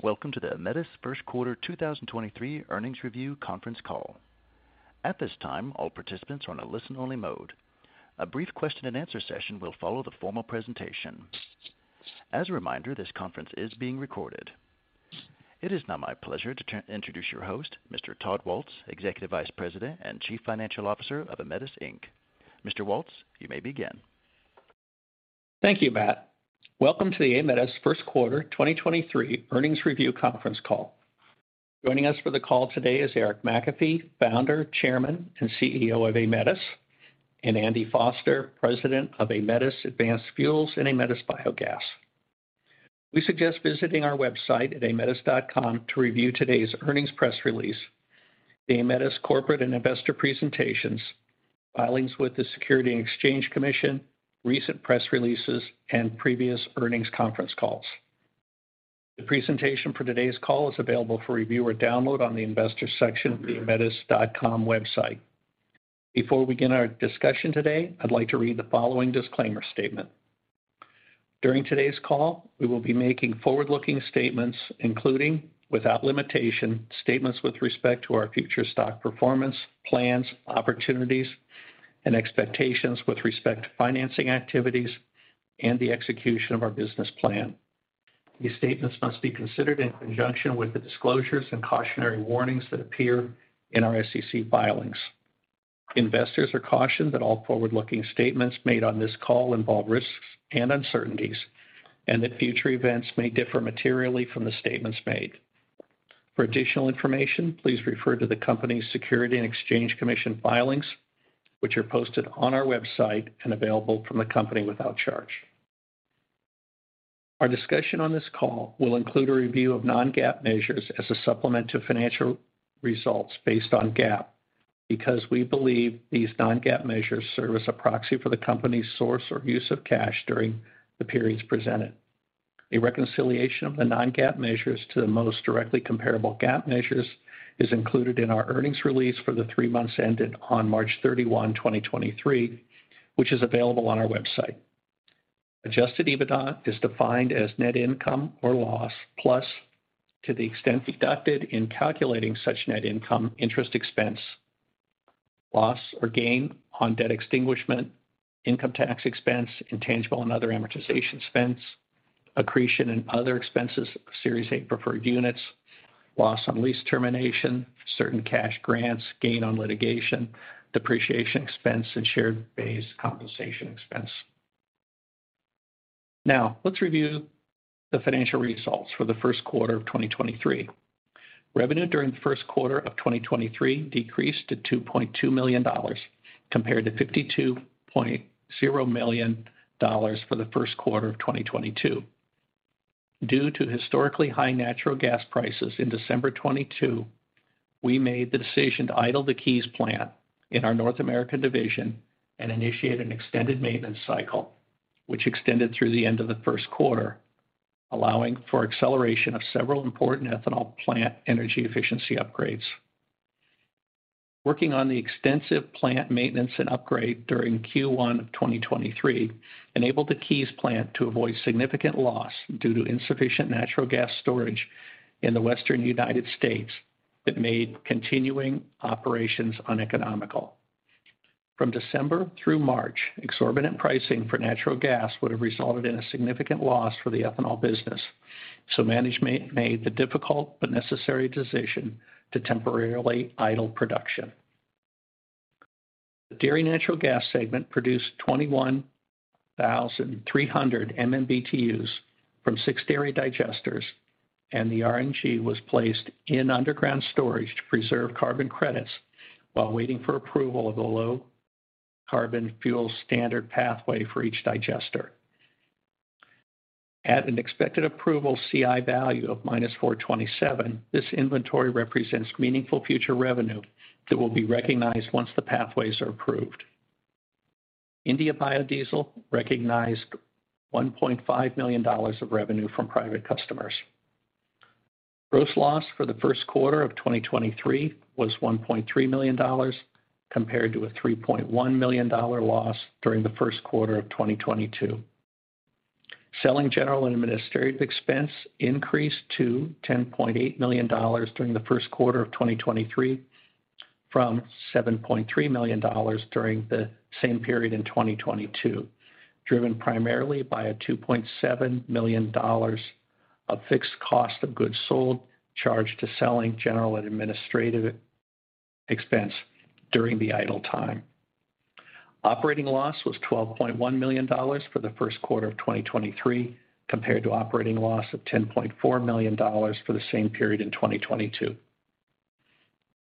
Welcome to the Aemetis first quarter 2023 earnings review conference call. At this time, all participants are on a listen-only mode. A brief question-and-answer session will follow the formal presentation. As a reminder, this conference is being recorded. It is now my pleasure to introduce your host, Mr. Todd Waltz, Executive Vice President and Chief Financial Officer of Aemetis, Inc. Mr. Waltz, you may begin. Thank you, Matt. Welcome to the Aemetis first quarter 2023 earnings review conference call. Joining us for the call today is Eric McAfee, Founder, Chairman, and CEO of Aemetis, and Andy Foster, President of Aemetis Advanced Fuels and Aemetis Biogas. We suggest visiting our website at aemetis.com to review today's earnings press release, the Aemetis corporate and investor presentations, filings with the Securities and Exchange Commission, recent press releases, and previous earnings conference calls. The presentation for today's call is available for review or download on the investor section of the aemetis.com website. Before we begin our discussion today, I'd like to read the following disclaimer statement. During today's call, we will be making forward-looking statements, including, without limitation, statements with respect to our future stock performance, plans, opportunities, and expectations with respect to financing activities and the execution of our business plan. These statements must be considered in conjunction with the disclosures and cautionary warnings that appear in our SEC filings. Investors are cautioned that all forward-looking statements made on this call involve risks and uncertainties, and that future events may differ materially from the statements made. For additional information, please refer to the company's Securities and Exchange Commission filings, which are posted on our website and available from the company without charge. Our discussion on this call will include a review of non-GAAP measures as a supplement to financial results based on GAAP, because we believe these non-GAAP measures serve as a proxy for the company's source or use of cash during the periods presented. A reconciliation of the non-GAAP measures to the most directly comparable GAAP measures is included in our earnings release for the 3 months ended on March 31, 2023, which is available on our website. Adjusted EBITDA is defined as net income or loss, plus to the extent deducted in calculating such net income, interest expense, loss or gain on debt extinguishment, income tax expense, intangible and other amortization expense, accretion and other expenses of Series A preferred units, loss on lease termination, certain cash grants, gain on litigation, depreciation expense, and shared-based compensation expense. Let's review the financial results for the first quarter of 2023. Revenue during the first quarter of 2023 decreased to $2.2 million, compared to $52.0 million for the first quarter of 2022. Due to historically high natural gas prices in December 2022, we made the decision to idle the Keyes plant in our North America division and initiate an extended maintenance cycle, which extended through the end of the first quarter, allowing for acceleration of several important ethanol plant energy efficiency upgrades. Working on the extensive plant maintenance and upgrade during Q1 of 2023 enabled the Keyes plant to avoid significant loss due to insufficient natural gas storage in the Western United States that made continuing operations uneconomical. From December through March, exorbitant pricing for natural gas would have resulted in a significant loss for the ethanol business, so management made the difficult but necessary decision to temporarily idle production. The dairy natural gas segment produced 21,300 MMBtus from six dairy digesters. The RNG was placed in underground storage to preserve carbon credits while waiting for approval of the Low Carbon Fuel Standard pathway for each digester. At an expected approval CI value of -427, this inventory represents meaningful future revenue that will be recognized once the pathways are approved. India Biodiesel recognized $1.5 million of revenue from private customers. Gross loss for the first quarter of 2023 was $1.3 million compared to a $3.1 million loss during the first quarter of 2022. Selling, general, and administrative expense increased to $10.8 million during the first quarter of 2023 from $7.3 million during the same period in 2022, driven primarily by a $2.7 million of fixed cost of goods sold charged to selling, general, and administrative expense during the idle time. Operating loss was $12.1 million for the first quarter of 2023 compared to operating loss of $10.4 million for the same period in 2022.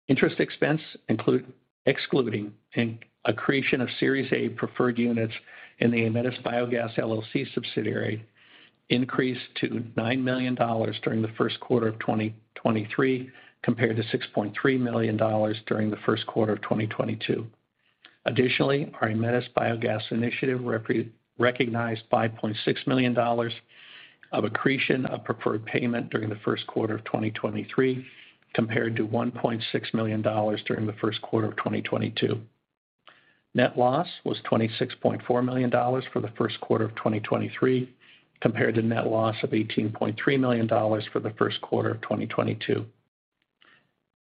Interest expense excluding an accretion of Series A preferred units in the Aemetis Biogas LLC subsidiary increased to $9 million during the first quarter of 2023 compared to $6.3 million during the first quarter of 2022. Additionally, our Aemetis Biogas initiative recognized $5.6 million of accretion of preferred payment during the first quarter of 2023 compared to $1.6 million during the first quarter of 2022. Net loss was $26.4 million for the first quarter of 2023 compared to net loss of $18.3 million for the first quarter of 2022.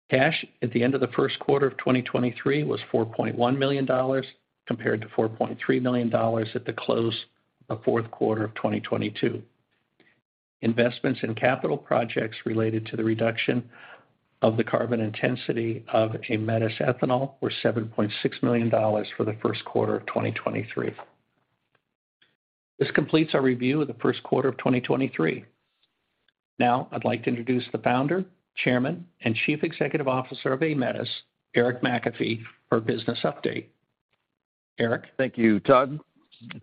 Cash at the end of the first quarter of 2023 was $4.1 million compared to $4.3 million at the close of fourth quarter of 2022. Investments in capital projects related to the reduction of the carbon intensity of Aemetis ethanol were $7.6 million for the first quarter of 2023. This completes our review of the first quarter of 2023. Now I'd like to introduce the Founder, Chairman and Chief Executive Officer of Aemetis, Eric McAfee, for business update. Eric? Thank you, Todd.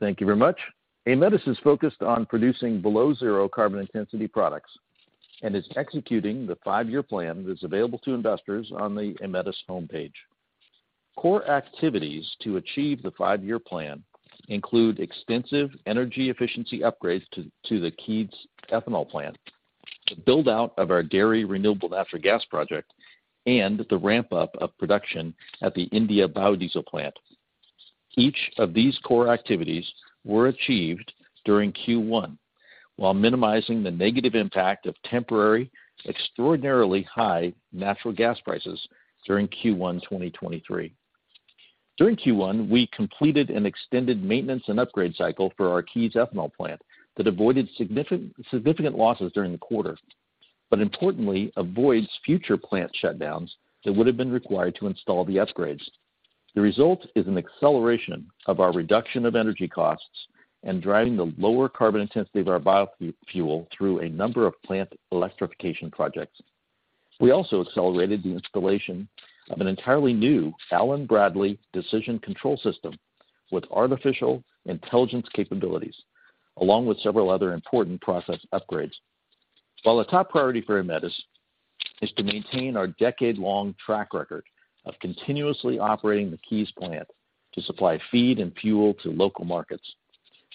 Thank you very much. Aemetis is focused on producing below zero carbon intensity products and is executing the five-year plan that is available to investors on the Aemetis homepage. Core activities to achieve the five-year plan include extensive energy efficiency upgrades to the Keyes Ethanol plant, the build out of our dairy renewable natural gas project, and the ramp up of production at the India biodiesel plant. Each of these core activities were achieved during Q1 while minimizing the negative impact of temporary, extraordinarily high natural gas prices during Q1 2023. During Q1, we completed an extended maintenance and upgrade cycle for our Keyes Ethanol plant that avoided significant losses during the quarter, but importantly avoids future plant shutdowns that would have been required to install the upgrades. The result is an acceleration of our reduction of energy costs and driving the lower carbon intensity of our biofuel through a number of plant electrification projects. We also accelerated the installation of an entirely new Allen-Bradley distributed control system with artificial intelligence capabilities, along with several other important process upgrades. While a top priority for Aemetis is to maintain our decade-long track record of continuously operating the Keyes plant to supply feed and fuel to local markets.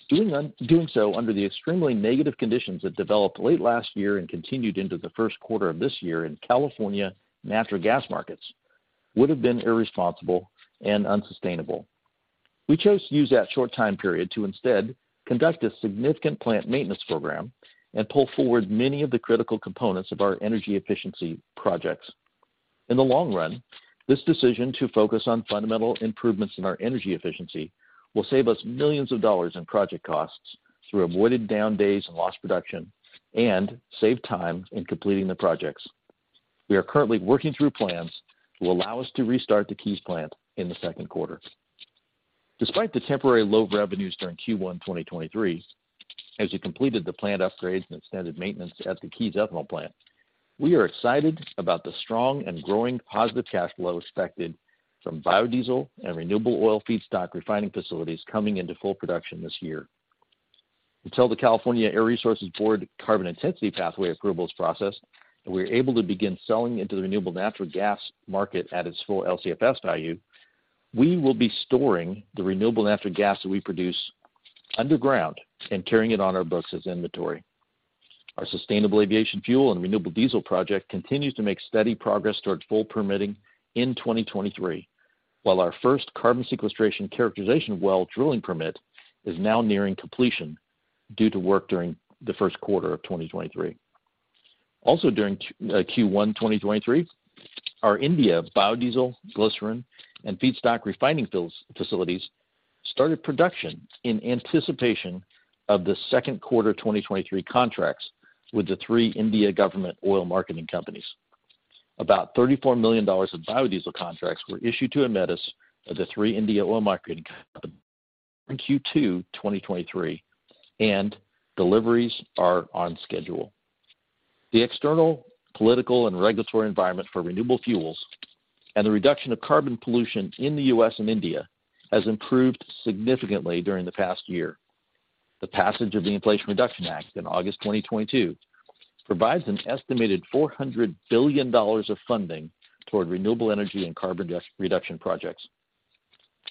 Doing so under the extremely negative conditions that developed late last year and continued into the first quarter of this year in California natural gas markets would have been irresponsible and unsustainable. We chose to use that short time period to instead conduct a significant plant maintenance program and pull forward many of the critical components of our energy efficiency projects. In the long run, this decision to focus on fundamental improvements in our energy efficiency will save us millions of dollars in project costs through avoided down days and lost production and save time in completing the projects. We are currently working through plans to allow us to restart the Keyes plant in the second quarter. Despite the temporary low revenues during Q1 2023, as we completed the plant upgrades and extended maintenance at the Keyes Ethanol plant, we are excited about the strong and growing positive cash flow expected from biodiesel and renewable oil feedstock refining facilities coming into full production this year. Until the California Air Resources Board carbon intensity pathway approval is processed and we are able to begin selling into the renewable natural gas market at its full LCFS value, we will be storing the renewable natural gas that we produce underground and carrying it on our books as inventory. Our sustainable aviation fuel and renewable diesel project continues to make steady progress towards full permitting in 2023. Our first carbon sequestration characterization well drilling permit is now nearing completion due to work during the first quarter of 2023. During Q1 2023, our India biodiesel, glycerin, and feedstock refining facilities started production in anticipation of the second quarter 2023 contracts with the three India government oil marketing companies. About $34 million of biodiesel contracts were issued to Aemetis by the three India oil marketing companies in Q2 2023, and deliveries are on schedule. The external political and regulatory environment for renewable fuels and the reduction of carbon pollution in the U.S. and India has improved significantly during the past year. The passage of the Inflation Reduction Act in August 2022 provides an estimated $400 billion of funding toward renewable energy and carbon reduction projects.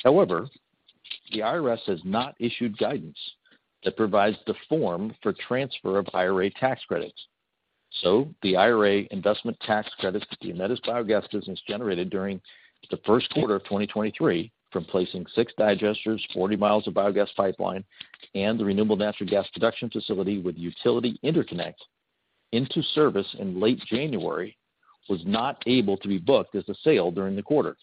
The IRS has not issued guidance that provides the form for transfer of IRA tax credits, so the IRA investment tax credits the Aemetis Biogas business generated during the first quarter of 2023 from placing 6 digesters, 40 miles of biogas pipeline, and the renewable natural gas production facility with utility interconnect into service in late January was not able to be booked as a sale during the quarter.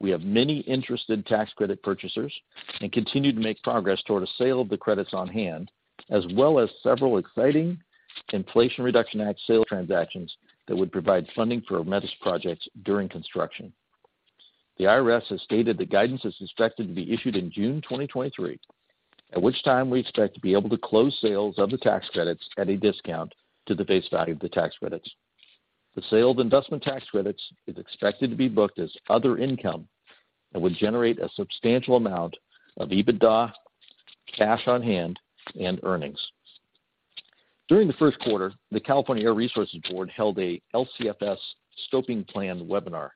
We have many interested tax credit purchasers and continue to make progress toward a sale of the credits on hand, as well as several exciting Inflation Reduction Act sale transactions that would provide funding for Aemetis projects during construction. The IRS has stated the guidance is expected to be issued in June 2023, at which time we expect to be able to close sales of the tax credits at a discount to the face value of the tax credits. The sale of investment tax credits is expected to be booked as other income and would generate a substantial amount of EBITDA, cash on hand, and earnings. During the first quarter, the California Air Resources Board held a LCFS scoping plan webinar,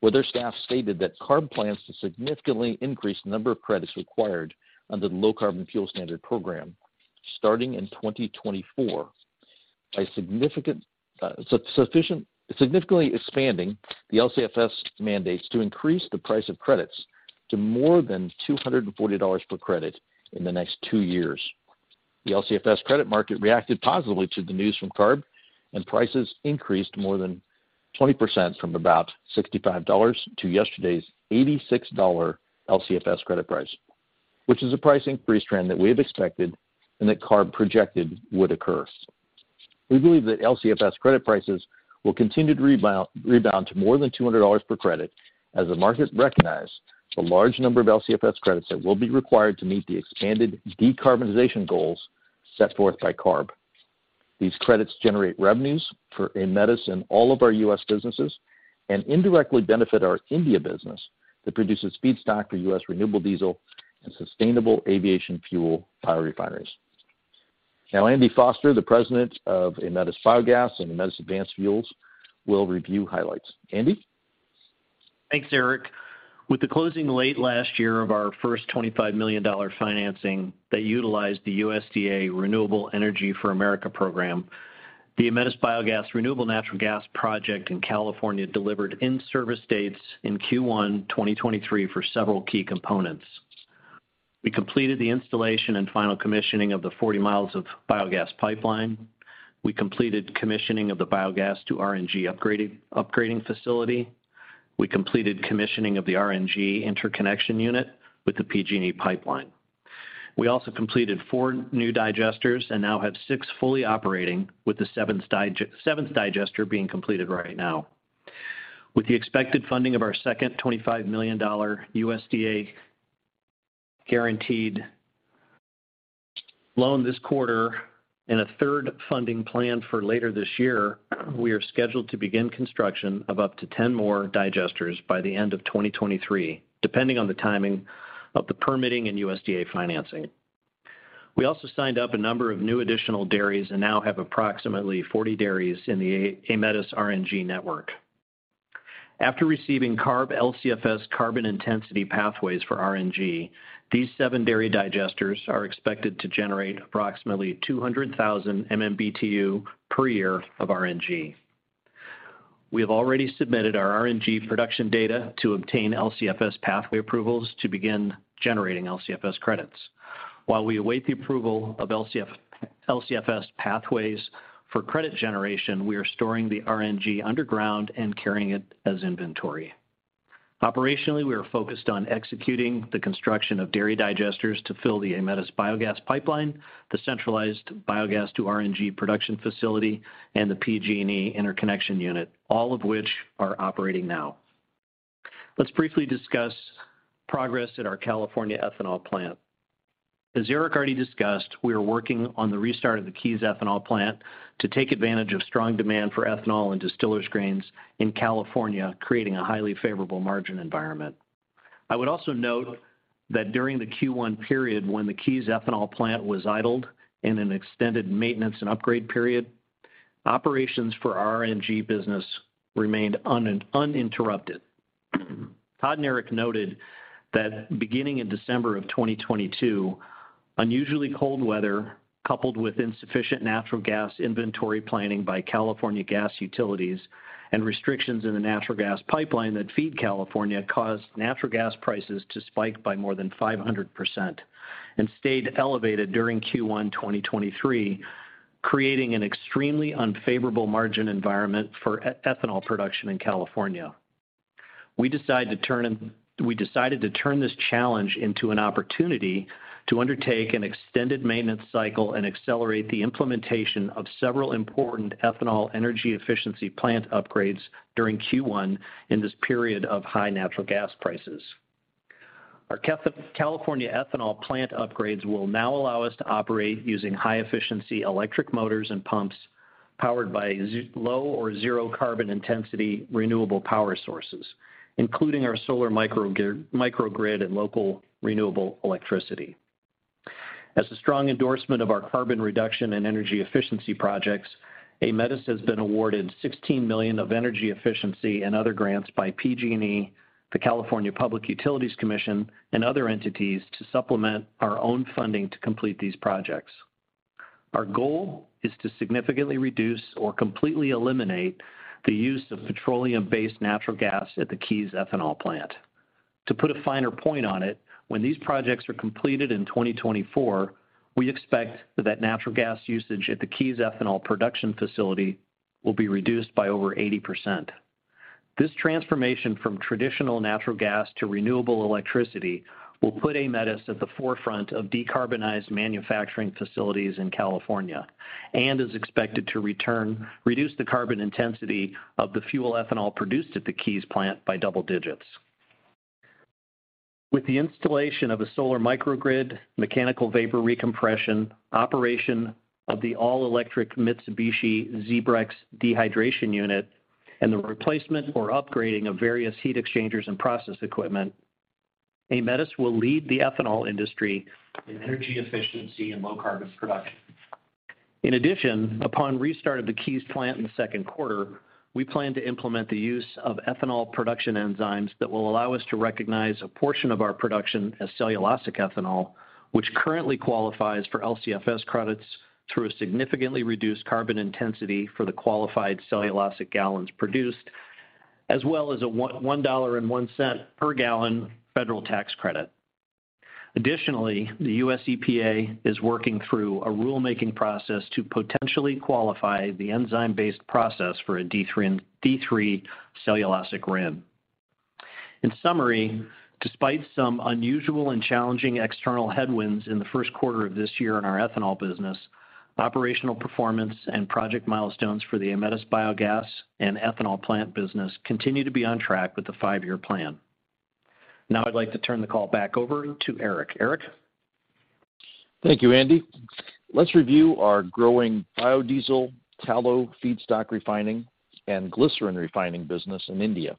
where their staff stated that CARB plans to significantly increase the number of credits required under the Low Carbon Fuel Standard program. Starting in 2024, a significant, significantly expanding the LCFS mandates to increase the price of credits to more than $240 per credit in the next two years. The LCFS credit market reacted positively to the news from CARB, and prices increased more than 20% from about $65 to yesterday's $86 LCFS credit price, which is a price increase trend that we have expected and that CARB projected would occur. We believe that LCFS credit prices will continue to rebound to more than $200 per credit as the market recognize the large number of LCFS credits that will be required to meet the expanded decarbonization goals set forth by CARB. These credits generate revenues for Aemetis and all of our U.S. businesses, and indirectly benefit our India business that produces feedstock for U.S. renewable diesel and sustainable aviation fuel bio-refineries. Now, Andy Foster, the President of Aemetis Biogas and Aemetis Advanced Fuels, will review highlights. Andy? Thanks, Eric. With the closing late last year of our first $25 million financing that utilized the USDA Rural Energy for America Program, the Aemetis Biogas renewable natural gas project in California delivered in-service dates in Q1 2023 for several key components. We completed the installation and final commissioning of the 40 miles of biogas pipeline. We completed commissioning of the biogas to RNG upgrading facility. We completed commissioning of the RNG interconnection unit with the PG&E pipeline. We also completed four new digesters and now have six fully operating, with the seventh digester being completed right now. With the expected funding of our second $25 million USDA guaranteed loan this quarter and a third funding plan for later this year, we are scheduled to begin construction of up to 10 more digesters by the end of 2023, depending on the timing of the permitting and USDA financing. We also signed up a number of new additional dairies and now have approximately 40 dairies in the Aemetis RNG network. After receiving CARB LCFS carbon intensity pathways for RNG, these 7 dairy digesters are expected to generate approximately 200,000 MMBTU per year of RNG. We have already submitted our RNG production data to obtain LCFS pathway approvals to begin generating LCFS credits. While we await the approval of LCFS pathways for credit generation, we are storing the RNG underground and carrying it as inventory. Operationally, we are focused on executing the construction of dairy digesters to fill the Aemetis Biogas pipeline, the centralized biogas to RNG production facility, and the PG&E interconnection unit, all of which are operating now. Let's briefly discuss progress at our California ethanol plant. As Eric already discussed, we are working on the restart of the Keyes Ethanol Plant to take advantage of strong demand for ethanol and distillers' grains in California, creating a highly favorable margin environment. I would also note that during the Q1 period when the Keyes Ethanol Plant was idled in an extended maintenance and upgrade period, operations for our RNG business remained uninterrupted. Todd and Eric noted that beginning in December of 2022, unusually cold weather, coupled with insufficient natural gas inventory planning by California Gas Utilities and restrictions in the natural gas pipeline that feed California, caused natural gas prices to spike by more than 500% and stayed elevated during Q1 2023, creating an extremely unfavorable margin environment for ethanol production in California. We decided to turn this challenge into an opportunity to undertake an extended maintenance cycle and accelerate the implementation of several important ethanol energy efficiency plant upgrades during Q1 in this period of high natural gas prices. Our California ethanol plant upgrades will now allow us to operate using high-efficiency electric motors and pumps powered by low or zero carbon intensity renewable power sources, including our solar microgrid and local renewable electricity. As a strong endorsement of our carbon reduction and energy efficiency projects, Aemetis has been awarded $16 million of energy efficiency and other grants by PG&E, the California Public Utilities Commission, and other entities to supplement our own funding to complete these projects. Our goal is to significantly reduce or completely eliminate the use of petroleum-based natural gas at the Keyes Ethanol Plant. To put a finer point on it, when these projects are completed in 2024, we expect that natural gas usage at the Keyes Ethanol production facility will be reduced by over 80%. This transformation from traditional natural gas to renewable electricity will put Aemetis at the forefront of decarbonized manufacturing facilities in California and is expected to reduce the carbon intensity of the fuel ethanol produced at the Keyes plant by double digits. With the installation of a solar microgrid, mechanical vapor recompression, operation of the all-electric Mitsubishi ZEBREX dehydration unit, and the replacement or upgrading of various heat exchangers and process equipment, Aemetis will lead the ethanol industry in energy efficiency and low carbon production. In addition, upon restart of the Keyes plant in the second quarter, we plan to implement the use of ethanol production enzymes that will allow us to recognize a portion of our production as cellulosic ethanol, which currently qualifies for LCFS credits through a significantly reduced carbon intensity for the qualified cellulosic gallons produced, as well as a $1.01 per gallon federal tax credit. Additionally, the USEPA is working through a rulemaking process to potentially qualify the enzyme-based process for a D3 cellulosic RIN. In summary, despite some unusual and challenging external headwinds in the first quarter of this year in our ethanol business, operational performance and project milestones for the Aemetis Biogas and Ethanol Plant business continue to be on track with the five-year plan. Now I'd like to turn the call back over to Eric. Eric? Thank you, Andy. Let's review our growing biodiesel tallow feedstock refining and glycerin refining business in India.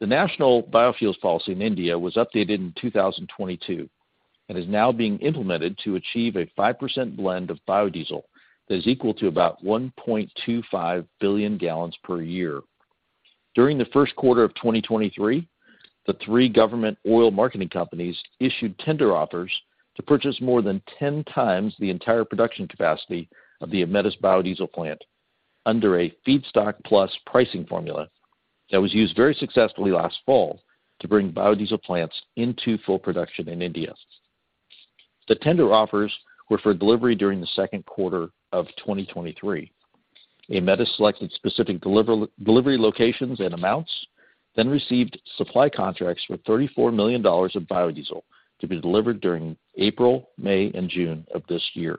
The National Policy on Biofuels in India was updated in 2022 and is now being implemented to achieve a 5% blend of biodiesel that is equal to about 1.25 billion gallons per year. During the first quarter of 2023, the 3 government Oil Marketing Companies issued tender offers to purchase more than 10 times the entire production capacity of the Aemetis biodiesel plant under a feedstock plus pricing formula that was used very successfully last fall to bring biodiesel plants into full production in India. The tender offers were for delivery during the second quarter of 2023. Aemetis selected specific delivery locations and amounts, then received supply contracts for $34 million of biodiesel to be delivered during April, May and June of this year.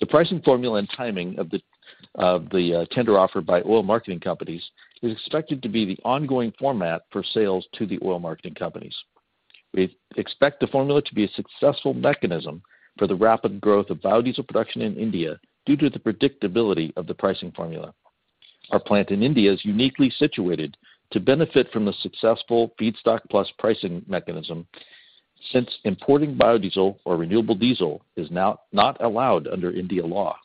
The pricing formula and timing of the tender offer by oil marketing companies is expected to be the ongoing format for sales to the oil marketing companies. We expect the formula to be a successful mechanism for the rapid growth of biodiesel production in India due to the predictability of the pricing formula. Our plant in India is uniquely situated to benefit from the successful feedstock plus pricing mechanism since importing biodiesel or renewable diesel is now not allowed under India law,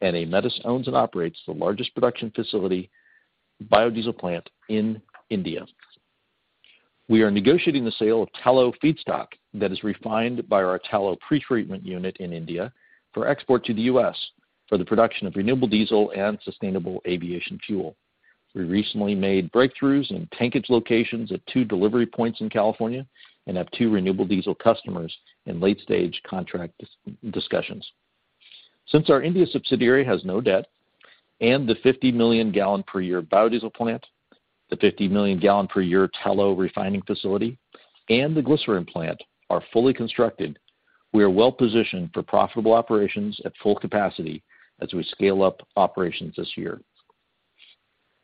and Aemetis owns and operates the largest production facility biodiesel plant in India. We are negotiating the sale of tallow feedstock that is refined by our tallow pretreatment unit in India for export to the U.S. for the production of renewable diesel and sustainable aviation fuel. We recently made breakthroughs in tankage locations at two delivery points in California and have two renewable diesel customers in late-stage contract discussions. Since our India subsidiary has no debt, and the 50 million gallon per year biodiesel plant, the 50 million gallon per year tallow refining facility, and the glycerin plant are fully constructed, we are well positioned for profitable operations at full capacity as we scale up operations this year.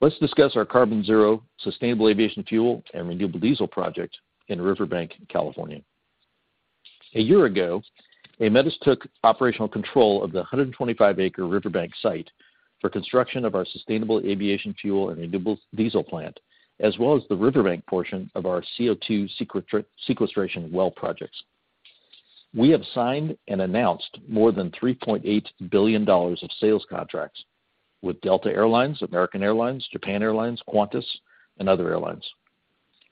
Let's discuss our carbon zero sustainable aviation fuel and renewable diesel project in Riverbank, California. A year ago, Aemetis took operational control of the 125 acre Riverbank site for construction of our sustainable aviation fuel and renewable diesel plant, as well as the Riverbank portion of our CO2 sequestration well projects. We have signed and announced more than $3.8 billion of sales contracts with Delta Air Lines, American Airlines, Japan Airlines, Qantas and other airlines.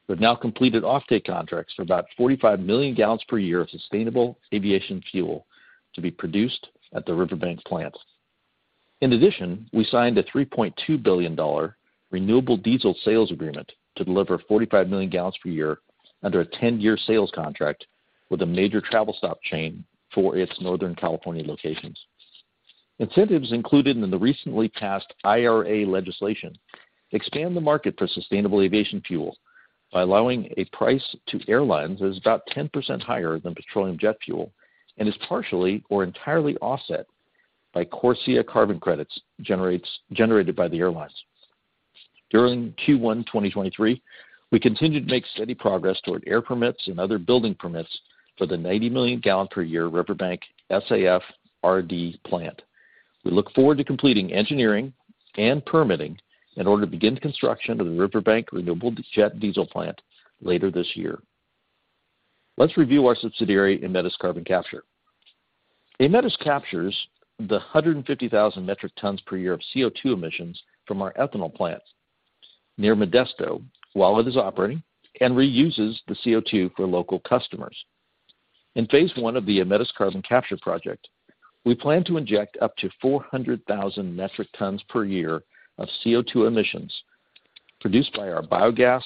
We've now completed offtake contracts for about 45 million gallons per year of sustainable aviation fuel to be produced at the Riverbank plant. In addition, we signed a $3.2 billion renewable diesel sales agreement to deliver 45 million gallons per year under a 10-year sales contract with a major travel stop chain for its Northern California locations. Incentives included in the recently passed IRA legislation expand the market for sustainable aviation fuel by allowing a price to airlines that is about 10% higher than petroleum jet fuel and is partially or entirely offset by CORSIA carbon credits generated by the airlines. During Q1 2023, we continued to make steady progress toward air permits and other building permits for the 90 million gallon per year Riverbank SAF/RD plant. We look forward to completing engineering and permitting in order to begin construction of the Riverbank Renewable Jet Diesel Plant later this year. Let's review our subsidiary, Aemetis Carbon Capture. Aemetis captures the 150,000 metric tons per year of CO2 emissions from our ethanol plants near Modesto while it is operating and reuses the CO2 for local customers. In phase one of the Aemetis Carbon Capture project, we plan to inject up to 400,000 metric tons per year of CO2 emissions produced by our biogas,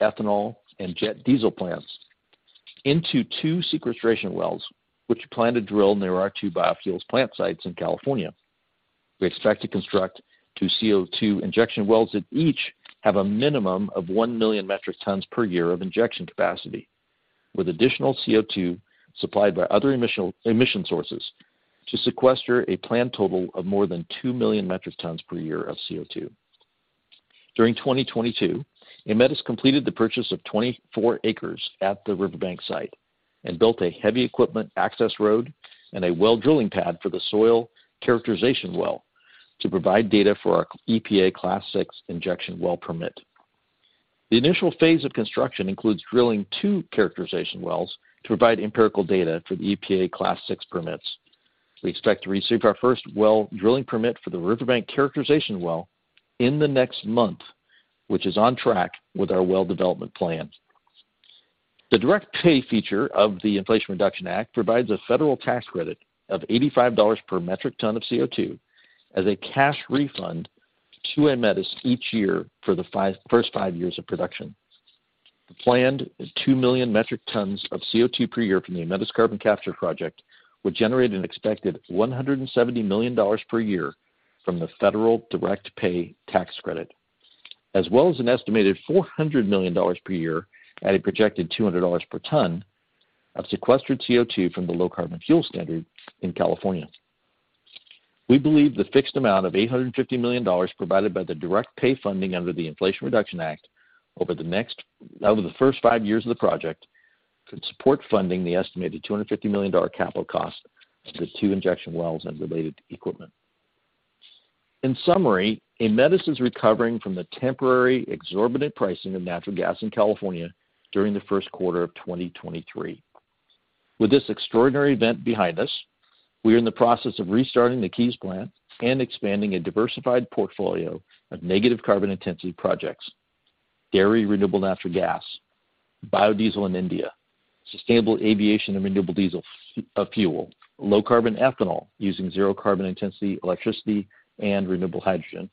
ethanol, and jet diesel plants into two sequestration wells, which we plan to drill near our 2 biofuels plant sites in California. We expect to construct two CO2 injection wells that each have a minimum of 1 million metric tons per year of injection capacity, with additional CO2 supplied by other emission sources to sequester a planned total of more than 2 million metric tons per year of CO2. During 2022, Aemetis completed the purchase of 24 acres at the Riverbank site and built a heavy equipment access road and a well drilling pad for the soil characterization well to provide data for our EPA Class VI injection well permit. The initial phase of construction includes drilling two characterization wells to provide empirical data for the EPA Class VI permits. We expect to receive our first well drilling permit for the Riverbank characterization well in the next month, which is on track with our well development plan. The direct pay feature of the Inflation Reduction Act provides a federal tax credit of $85 per metric ton of CO2 as a cash refund to Aemetis each year for the first five years of production. The planned 2 million metric tons of CO2 per year from the Aemetis Carbon Capture project would generate an expected $170 million per year from the federal direct pay tax credit, as well as an estimated $400 million per year at a projected $200 per ton of sequestered CO2 from the Low Carbon Fuel Standard in California. We believe the fixed amount of $850 million provided by the direct pay funding under the Inflation Reduction Act over the first five years of the project could support funding the estimated $250 million capital cost of the two injection wells and related equipment. In summary, Aemetis is recovering from the temporary exorbitant pricing of natural gas in California during the first quarter of 2023. With this extraordinary event behind us, we are in the process of restarting the Keyes plant and expanding a diversified portfolio of negative carbon intensity projects, dairy renewable natural gas, biodiesel in India, sustainable aviation and renewable diesel fuel, low carbon ethanol using zero carbon intensity electricity and renewable hydrogen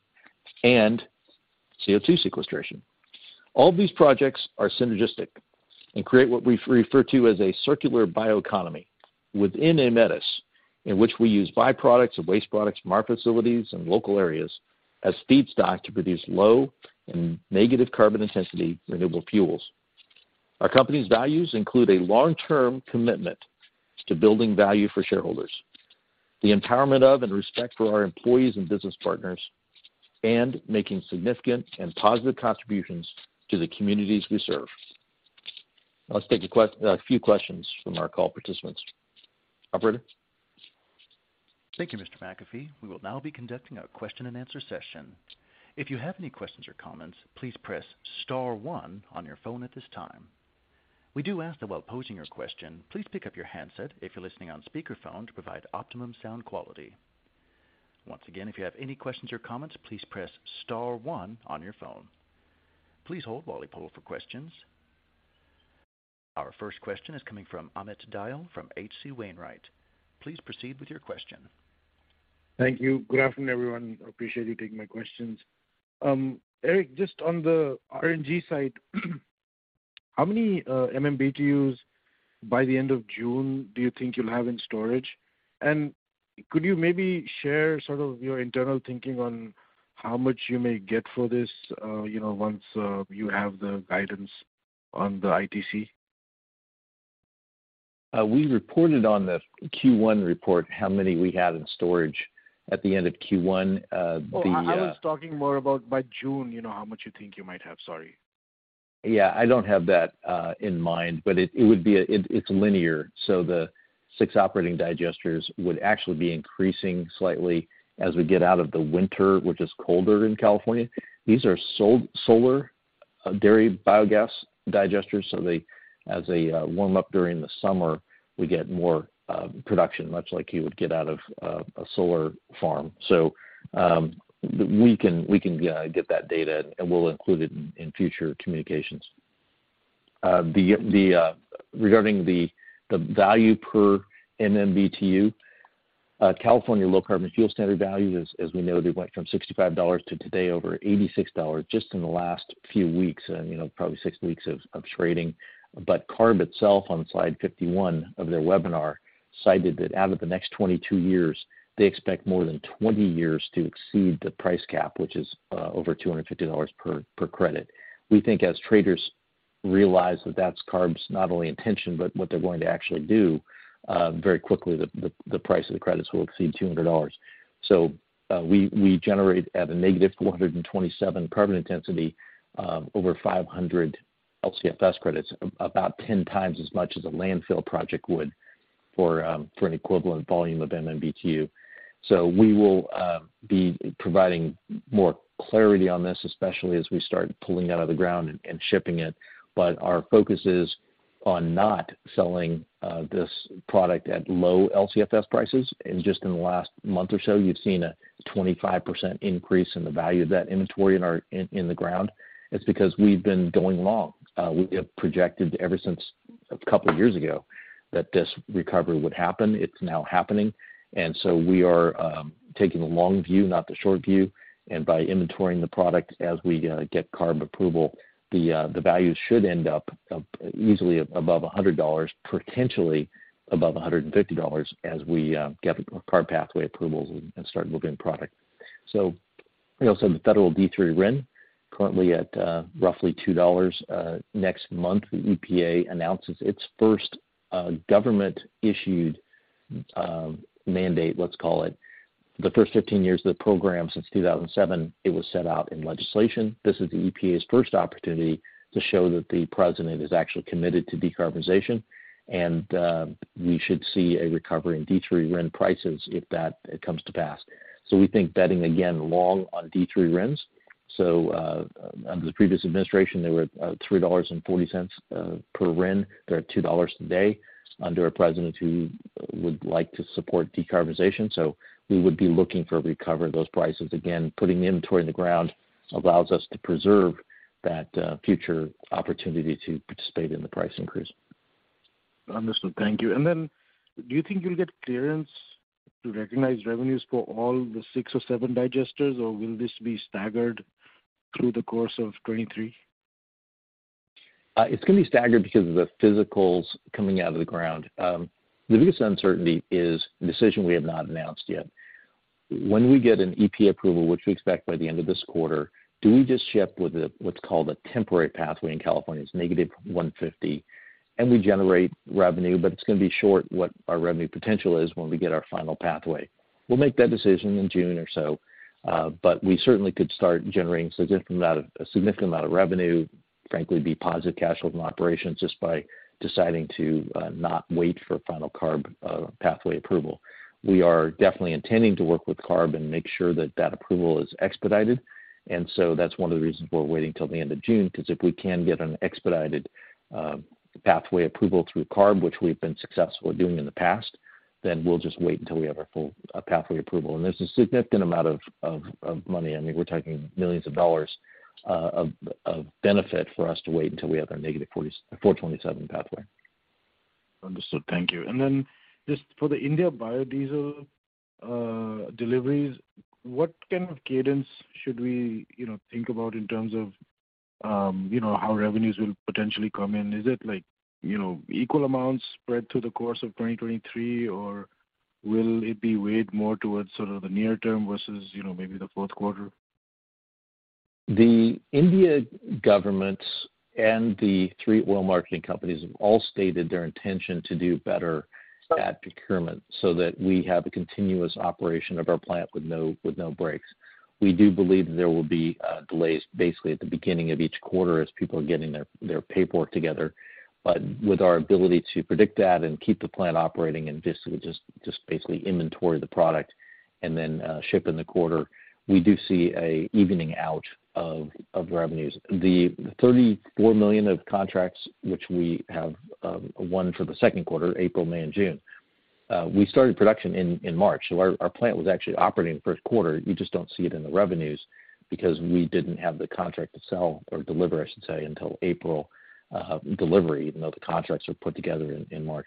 and CO2 sequestration. All of these projects are synergistic and create what we refer to as a circular bioeconomy within Aemetis, in which we use byproducts and waste products from our facilities and local areas as feedstock to produce low and negative carbon intensity renewable fuels. Our company's values include a long-term commitment to building value for shareholders, the empowerment of, and respect for our employees and business partners, and making significant and positive contributions to the communities we serve. Now let's take a few questions from our call participants. Operator. Thank you, Mr. McAfee. We will now be conducting our question and answer session. If you have any questions or comments, please press star one on your phone at this time. We do ask that while posing your question, please pick up your handset if you're listening on speakerphone to provide optimum sound quality. Once again, if you have any questions or comments, please press star one on your phone. Please hold while we poll for questions. Our first question is coming from Amit Dayal from H.C. Wainwright. Please proceed with your question. Thank you. Good afternoon, everyone. Appreciate you taking my questions. Eric, just on the RNG side, how many MMBtus by the end of June do you think you'll have in storage? Could you maybe share sort of your internal thinking on how much you may get for this, you know, once you have the guidance on the ITC? We reported on the Q1 report how many we had in storage at the end of Q1. I was talking more about by June, you know, how much you think you might have. Sorry. I don't have that in mind, but it's linear, so the six operating digesters would actually be increasing slightly as we get out of the winter, which is colder in California. These are solar dairy biogas digesters, so as they warm up during the summer, we get more production, much like you would get out of a solar farm. We can get that data, and we'll include it in future communications. Regarding the value per MMBTU, California Low Carbon Fuel Standard value, as we know, they went from $65 to today over $86 just in the last few weeks and, you know, probably six weeks of trading. CARB itself, on slide 51 of their webinar, cited that out of the next 22 years, they expect more than 20 years to exceed the price cap, which is over $250 per credit. We think as traders realize that that's CARB's not only intention, but what they're going to actually do, very quickly the price of the credits will exceed $200. We generate at a negative 427 carbon intensity, over 500 LCFS credits, about 10x as much as a landfill project would for an equivalent volume of MMBTU. We will be providing more clarity on this, especially as we start pulling out of the ground and shipping it. Our focus is on not selling this product at low LCFS prices. Just in the last month or so, you've seen a 25% increase in the value of that inventory in the ground. It's because we've been going long. We have projected ever since a couple of years ago that this recovery would happen. It's now happening, we are taking the long view, not the short view. By inventorying the product as we get CARB approval, the value should end up easily above $100, potentially above $150 as we get CARB pathway approvals and start moving product. You know, the federal D3 RIN currently at roughly $2. Next month, the EPA announces its first government-issued mandate, let's call it. The first 15 years of the program since 2007, it was set out in legislation. This is the EPA's first opportunity to show that the President is actually committed to decarbonization, and we should see a recovery in D3 RIN prices if that comes to pass. We think betting again long on D3 RINs under the previous administration, they were $3.40 per RIN. They are $2 today under a president who would like to support decarbonization. We would be looking for a recovery of those prices. Again, putting inventory in the ground allows us to preserve that future opportunity to participate in the price increase. Understood. Thank you. Then do you think you'll get clearance to recognize revenues for all the six or seven digesters, or will this be staggered through the course of 2023? It's gonna be staggered because of the physicals coming out of the ground. The biggest uncertainty is a decision we have not announced yet. When we get an EPA approval, which we expect by the end of this quarter, do we just ship with a, what's called a temporary pathway in California, it's -150, and we generate revenue, but it's gonna be short what our revenue potential is when we get our final pathway. We'll make that decision in June or so, we certainly could start generating a significant amount of revenue, frankly, be positive cash flow from operations just by deciding to not wait for final CARB pathway approval. We are definitely intending to work with CARB and make sure that that approval is expedited. That's one of the reasons we're waiting till the end of June, 'cause if we can get an expedited pathway approval through CARB, which we've been successful at doing in the past, then we'll just wait until we have our full pathway approval. There's a significant amount of money. I mean, we're talking millions of dollars of benefit for us to wait until we have our negative 427 pathway. Understood. Thank you. Just for the India biodiesel deliveries, what kind of cadence should we, you know, think about in terms of, you know, how revenues will potentially come in? Is it like, you know, equal amounts spread through the course of 2023, or will it be weighed more towards sort of the near term versus, you know, maybe the fourth quarter? The India Government and the three oil marketing companies have all stated their intention to do better at procurement so that we have a continuous operation of our plant with no breaks. We do believe there will be delays basically at the beginning of each quarter as people are getting their paperwork together. With our ability to predict that and keep the plant operating and just basically inventory the product and then ship in the quarter, we do see a evening out of revenues. The $34 million of contracts, which we have won for the second quarter, April, May and June, we started production in March. Our plant was actually operating the first quarter. You just don't see it in the revenues because we didn't have the contract to sell or deliver, I should say, until April delivery, even though the contracts were put together in March.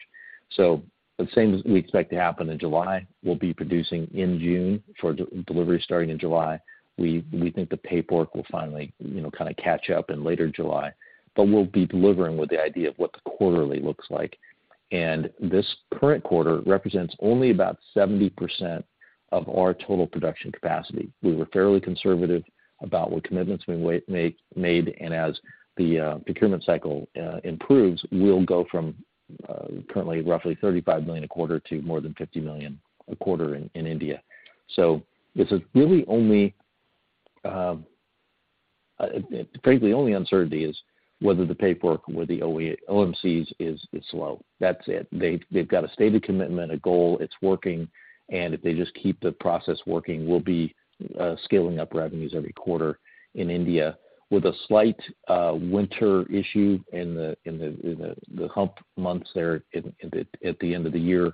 The same as we expect to happen in July, we'll be producing in June for delivery starting in July. We think the paperwork will finally, you know, kind of catch up in later July. We'll be delivering with the idea of what the quarterly looks like. This current quarter represents only about 70% of our total production capacity. We were fairly conservative about what commitments we made, and as the procurement cycle improves, we'll go from currently roughly $35 million a quarter to more than $50 million a quarter in India. This is really only. frankly, the only uncertainty is whether the paperwork with the OMCs is slow. That's it. They've got a stated commitment, a goal, it's working, and if they just keep the process working, we'll be scaling up revenues every quarter in India with a slight winter issue in the hump months there at the end of the year.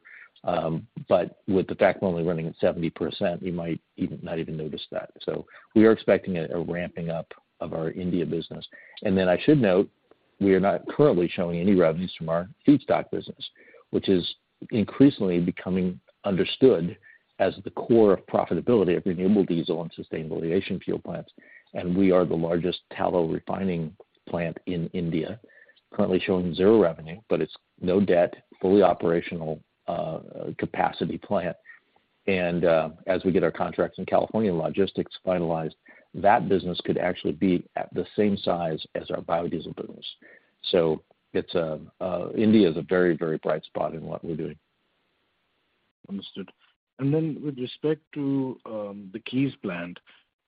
with the fact we're only running at 70%, you might even not even notice that. we are expecting a ramping up of our India business. I should note, we are not currently showing any revenues from our feedstock business, which is increasingly becoming understood as the core of profitability of renewable diesel and sustainable aviation fuel plants. We are the largest tallow refining plant in India, currently showing 0 revenue, but it's no debt, fully operational capacity plant. As we get our contracts in California logistics finalized, that business could actually be at the same size as our biodiesel business. India is a very, very bright spot in what we're doing. Understood. With respect to the Keyes plant,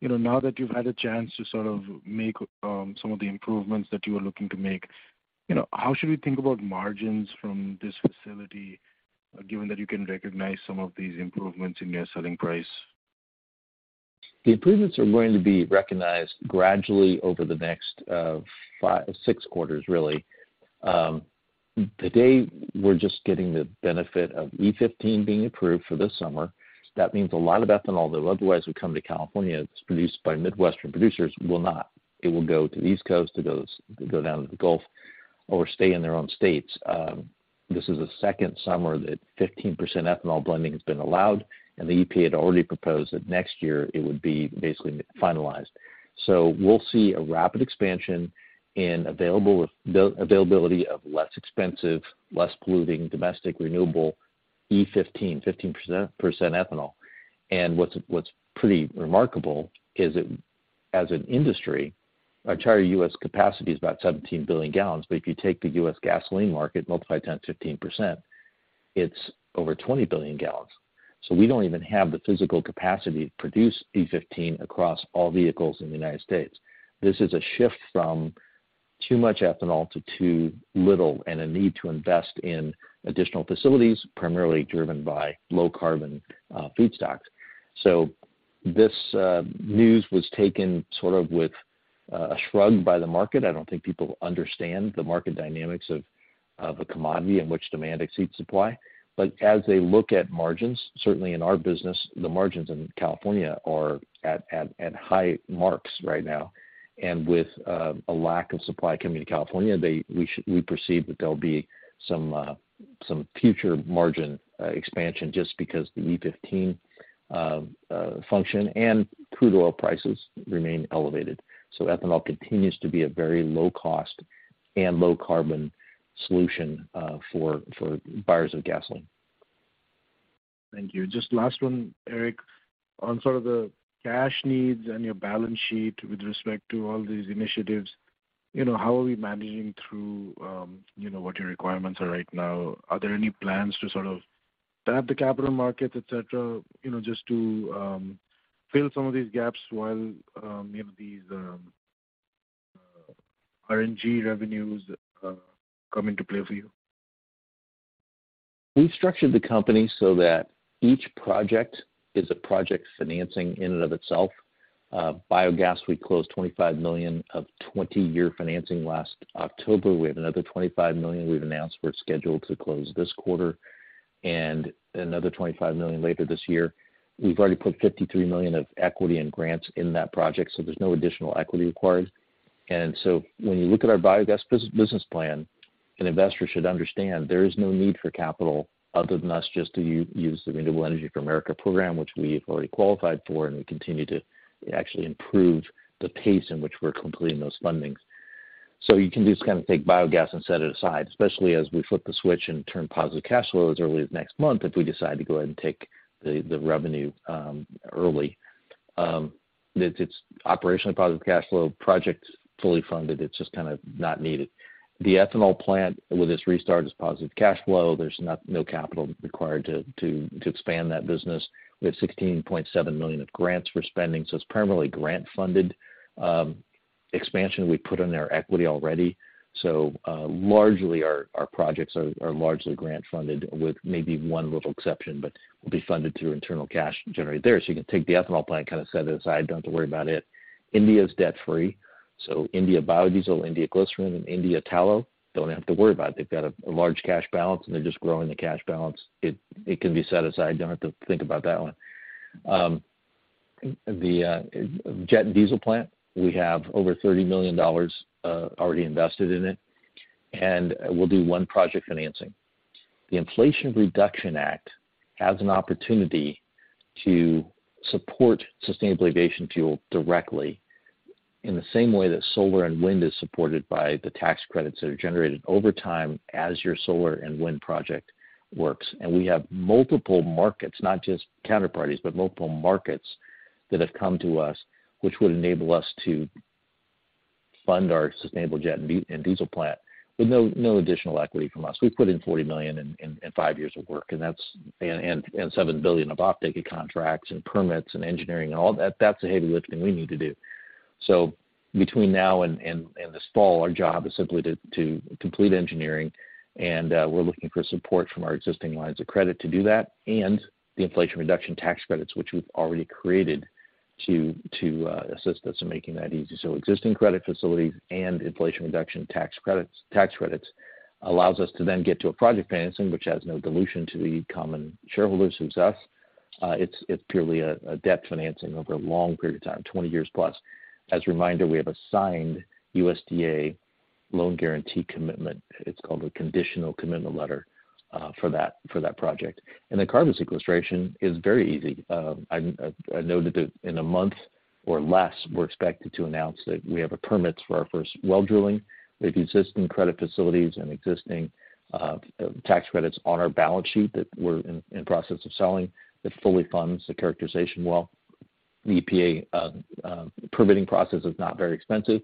you know, now that you've had a chance to sort of make some of the improvements that you were looking to make, you know, how should we think about margins from this facility, given that you can recognize some of these improvements in your selling price? The improvements are going to be recognized gradually over the next 5, 6 quarters, really. Today we're just getting the benefit of E15 being approved for this summer. That means a lot of ethanol that otherwise would come to California that's produced by Midwestern producers will not. It will go to the East Coast, go down to the Gulf or stay in their own states. This is the second summer that 15% ethanol blending has been allowed. The EPA had already proposed that next year it would be basically finalized. We'll see a rapid expansion in availability of less expensive, less polluting domestic renewable E15, 15% ethanol. What's pretty remarkable is, as an industry, our entire U.S. capacity is about 17 billion gallons, but if you take the U.S. gasoline market, multiply it times 15%, it's over 20 billion gallons. We don't even have the physical capacity to produce E15 across all vehicles in the United States. This is a shift from too much ethanol to too little and a need to invest in additional facilities, primarily driven by low carbon food stocks. This news was taken sort of with a shrug by the market. I don't think people understand the market dynamics of a commodity in which demand exceeds supply. As they look at margins, certainly in our business, the margins in California are at high marks right now. With a lack of supply coming to California, we perceive that there'll be some future margin expansion just because the E15 function and crude oil prices remain elevated. Ethanol continues to be a very low cost and low carbon solution for buyers of gasoline. Thank you. Just last one, Eric. On sort of the cash needs and your balance sheet with respect to all these initiatives, you know, how are we managing through, you know, what your requirements are right now? Are there any plans to sort of tap the capital markets, et cetera, you know, just to fill some of these gaps while, you know, these RNG revenues come into play for you? We've structured the company so that each project is a project financing in and of itself. Biogas, we closed $25 million of 20-year financing last October. We have another $25 million we've announced we're scheduled to close this quarter, and another $25 million later this year. We've already put $53 million of equity and grants in that project, so there's no additional equity required. When you look at our Biogas business plan, an investor should understand there is no need for capital other than us just to use the Rural Energy for America Program, which we have already qualified for, and we continue to actually improve the pace in which we're completing those fundings. You can just kind of take biogas and set it aside, especially as we flip the switch and turn positive cash flows early as next month if we decide to go ahead and take the revenue early. It's operationally positive cash flow. Project's fully funded. It's just kind of not needed. The ethanol plant with its restart is positive cash flow. There's no capital required to expand that business. We have $16.7 million of grants we're spending, so it's primarily grant funded. Expansion we put in our equity already. Largely our projects are largely grant funded with maybe one little exception, but will be funded through internal cash generated there. You can take the ethanol plant, kind of set it aside, don't have to worry about it. India is debt-free. India biodiesel, India glycerin, and India tallow don't have to worry about it. They've got a large cash balance, and they're just growing the cash balance. It can be set aside. Don't have to think about that one. The jet and diesel plant, we have over $30 million already invested in it, and we'll do one project financing. The Inflation Reduction Act has an opportunity to support sustainable aviation fuel directly in the same way that solar and wind is supported by the tax credits that are generated over time as your solar and wind project works. We have multiple markets, not just counterparties, but multiple markets that have come to us, which would enable us to fund our sustainable jet and diesel plant with no additional equity from us. We've put in $40 million and 5 years of work, and that's $7 billion of offtake contracts and permits and engineering and all that's the heavy lifting we need to do. Between now and this fall, our job is simply to complete engineering, and we're looking for support from our existing lines of credit to do that. The Inflation Reduction Act tax credits, which we've already created to assist us in making that easy. Existing credit facilities and Inflation Reduction Act tax credits allows us to then get to a project financing, which has no dilution to the common shareholders, who's us. It's purely a debt financing over a long period of time, 20 years plus. As a reminder, we have a signed USDA loan guarantee commitment. It's called a conditional commitment letter for that, for that project. The carbon sequestration is very easy. I'm noted that in a month or less, we're expected to announce that we have a permits for our first well drilling. The existing credit facilities and existing tax credits on our balance sheet that we're in process of selling, that fully funds the characterization well. The EPA permitting process is not very expensive.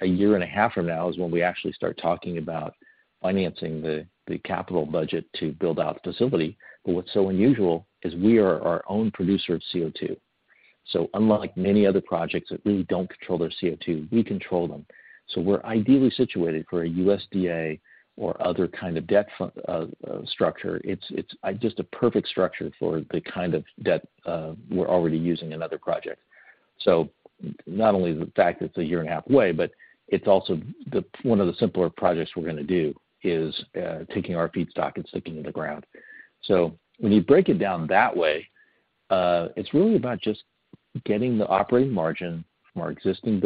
A year and a half from now is when we actually start talking about financing the capital budget to build out the facility. What's so unusual is we are our own producer of CO2. Unlike many other projects that really don't control their CO2, we control them. We're ideally situated for a USDA or other kind of debt structure. It's just a perfect structure for the kind of debt we're already using in other projects. Not only the fact it's a year and a half away, but it's also the one of the simpler projects we're gonna do is taking our feedstock and sticking it in the ground. When you break it down that way, it's really about just getting the operating margin from our existing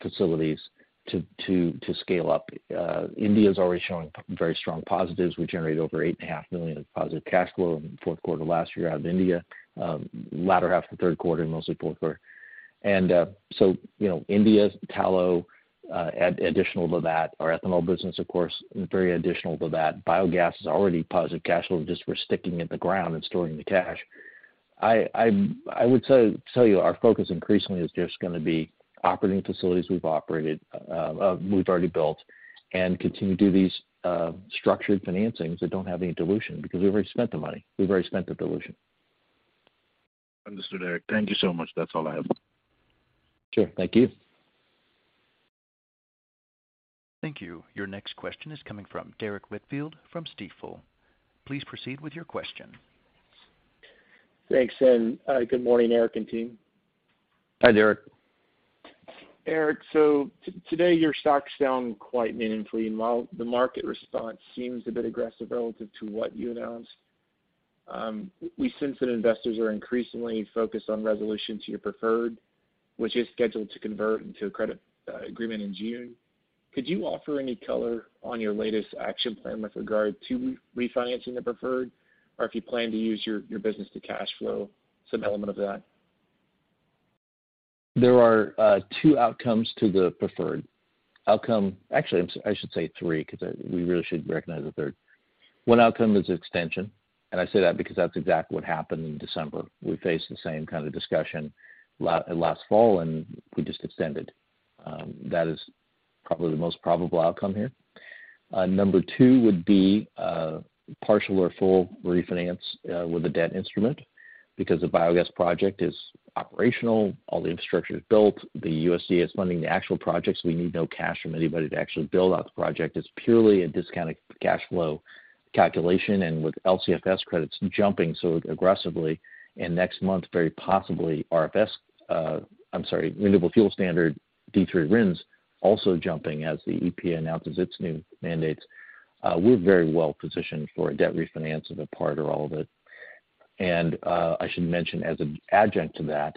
facilities to scale up. India's already showing very strong positives. We generate over $8.5 million of positive cash flow in the fourth quarter last year out of India. Latter half of the third quarter and mostly fourth quarter. You know, India's tallow, additional to that. Our ethanol business, of course, very additional to that. Biogas is already positive cash flow, just we're sticking it in the ground and storing the cash. I would tell you our focus increasingly is just gonna be operating facilities we've operated, we've already built and continue to do these structured financings that don't have any dilution because we've already spent the money. We've already spent the dilution. Understood, Eric. Thank you so much. That's all I have. Sure. Thank you. Thank you. Your next question is coming from Derrick Whitfield from Stifel. Please proceed with your question. Thanks, good morning, Eric and team. Hi, Derrick. Eric, today your stock's down quite meaningfully. While the market response seems a bit aggressive relative to what you announced, we sense that investors are increasingly focused on resolution to your preferred, which is scheduled to convert into a credit agreement in June. Could you offer any color on your latest action plan with regard to refinancing the preferred or if you plan to use your business to cash flow some element of that? There are two outcomes to the preferred. Outcome. Actually, I should say three, 'cause we really should recognize a third. One outcome is extension, and I say that because that's exactly what happened in December. We faced the same kind of discussion last fall, and we just extended. That is probably the most probable outcome here. Number two would be partial or full refinance with a debt instrument. Because the biogas project is operational, all the infrastructure is built, the USC is funding the actual projects, we need no cash from anybody to actually build out the project. It's purely a discounted cash flow calculation. With LCFS credits jumping so aggressively, and next month very possibly RFS, I'm sorry, Renewable Fuel Standard D3 RINs also jumping as the EPA announces its new mandates, we're very well positioned for a debt refinance of a part or all of it. I should mention as an adjunct to that,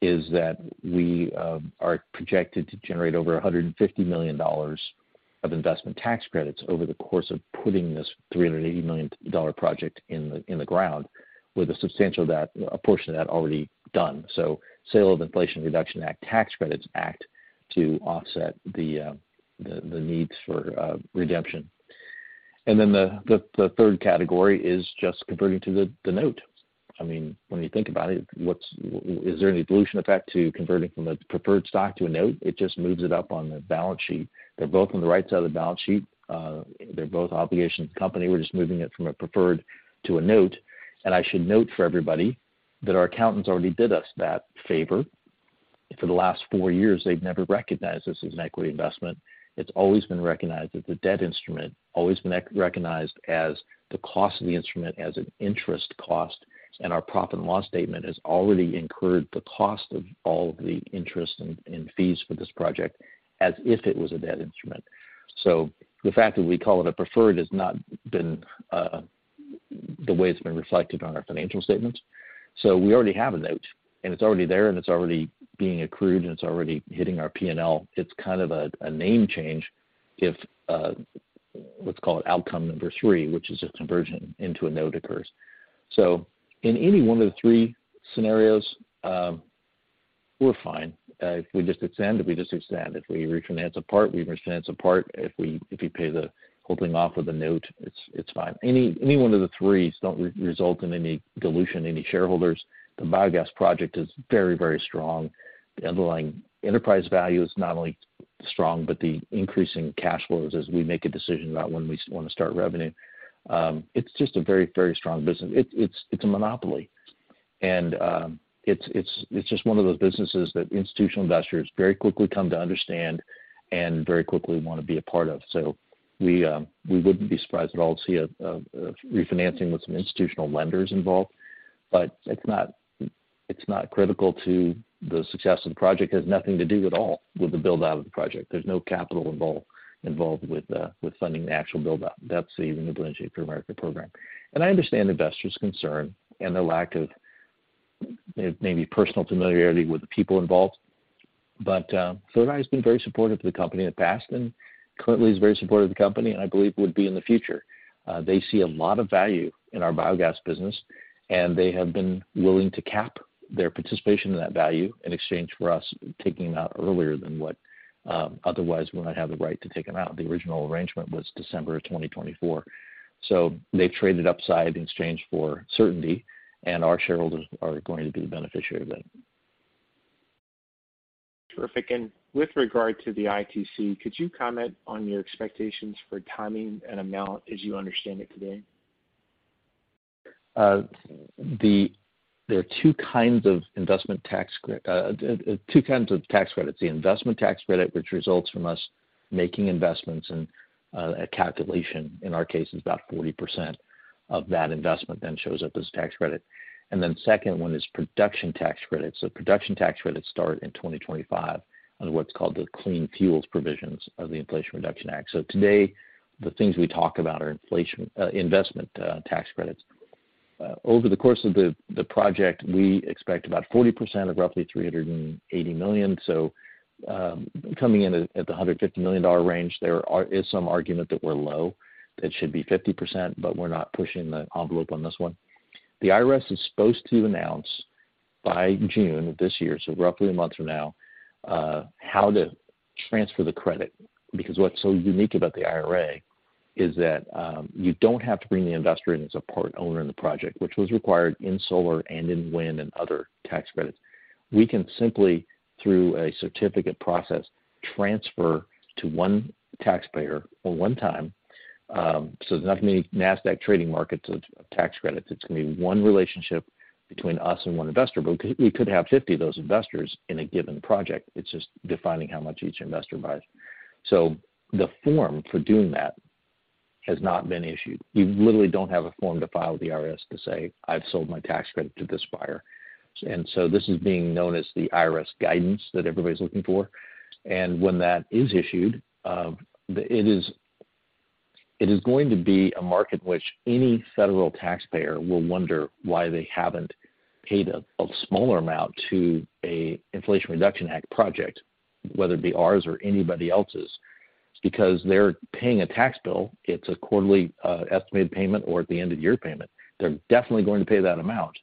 is that we are projected to generate over $150 million of investment tax credits over the course of putting this $380 million project in the ground with a substantial of that, a portion of that already done. Sale of Inflation Reduction Act tax credits act to offset the needs for redemption. The third category is just converting to the note. I mean, when you think about it, what's... Is there any dilution effect to converting from a preferred stock to a note? It just moves it up on the balance sheet. They're both on the right side of the balance sheet. They're both obligations of the company. We're just moving it from a preferred to a note. I should note for everybody that our accountants already did us that favor. For the last four years, they've never recognized this as an equity investment. It's always been recognized as a debt instrument, always been recognized as the cost of the instrument as an interest cost, and our profit and loss statement has already incurred the cost of all of the interest and fees for this project as if it was a debt instrument. The fact that we call it a preferred has not been the way it's been reflected on our financial statements. We already have a note, and it's already there, and it's already being accrued, and it's already hitting our P&L. It's kind of a name change if, let's call it outcome number three, which is a conversion into a note occurs. In any one of the three scenarios, we're fine. If we just extend, we just extend. If we refinance a part, we refinance a part. If we pay the whole thing off with a note, it's fine. Any one of the threes don't result in any dilution to any shareholders. The bigas project is very strong. The underlying enterprise value is not only strong, but the increasing cash flows as we make a decision about when we wanna start revenue. It's just a very strong business. It's a monopoly. It's just one of those businesses that institutional investors very quickly come to understand and very quickly wanna be a part of. We wouldn't be surprised at all to see a refinancing with some institutional lenders involved. It's not, it's not critical to the success of the project. It has nothing to do at all with the build-out of the project. There's no capital involved with funding the actual build-out. That's the Rural Energy for America Program. I understand investors' concern and their lack of maybe personal familiarity with the people involved, but Third Eye has been very supportive of the company in the past and currently is very supportive of the company, and I believe would be in the future. They see a lot of value in our biogas business, and they have been willing to cap their participation in that value in exchange for us taking them out earlier than what otherwise we might have the right to take them out. The original arrangement was December of 2024. They've traded upside in exchange for certainty, and our shareholders are going to be the beneficiary of that. Terrific. With regard to the ITC, could you comment on your expectations for timing and amount as you understand it today? There are two kinds of investment tax credits. The investment tax credit, which results from us making investments and a calculation, in our case, is about 40% of that investment then shows up as tax credit. Second one is production tax credits. Production tax credits start in 2025 under what's called the clean fuels provisions of the Inflation Reduction Act. Today, the things we talk about are investment tax credits. Over the course of the project, we expect about 40% of roughly $380 million. Coming in at the $150 million range, there is some argument that we're low, that it should be 50%, but we're not pushing the envelope on this one. The IRS is supposed to announce by June of this year, roughly a month from now, how to transfer the credit, because what's so unique about the IRA is that you don't have to bring the investor in as a part owner in the project, which was required in solar and in wind and other tax credits. We can simply through a certificate process transfer to one taxpayer for one time. There's not gonna be NASDAQ trading markets of tax credits. It's gonna be one relationship between us and one investor. We could have 50 of those investors in a given project. It's just defining how much each investor buys. The form for doing that has not been issued. You literally don't have a form to file with the IRS to say, "I've sold my tax credit to this buyer." This is being known as the IRS guidance that everybody's looking for. When that is issued, it is going to be a market in which any federal taxpayer will wonder why they haven't paid a smaller amount to a Inflation Reduction Act project, whether it be ours or anybody else's. They're paying a tax bill, it's a quarterly estimated payment or at the end of year payment. They're definitely going to pay that amount,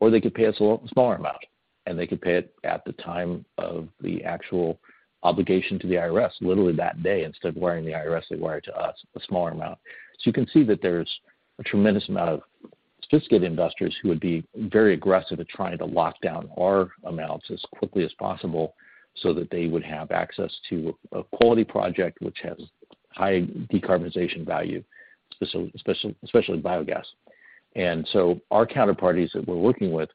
or they could pay us a little smaller amount, and they could pay it at the time of the actual obligation to the IRS, literally that day. Instead of wiring the IRS, they wire to us a smaller amount. You can see that there's a tremendous amount of sophisticated investors who would be very aggressive at trying to lock down our amounts as quickly as possible so that they would have access to a quality project which has high decarbonization value, especially biogas. Our counterparties that we're working with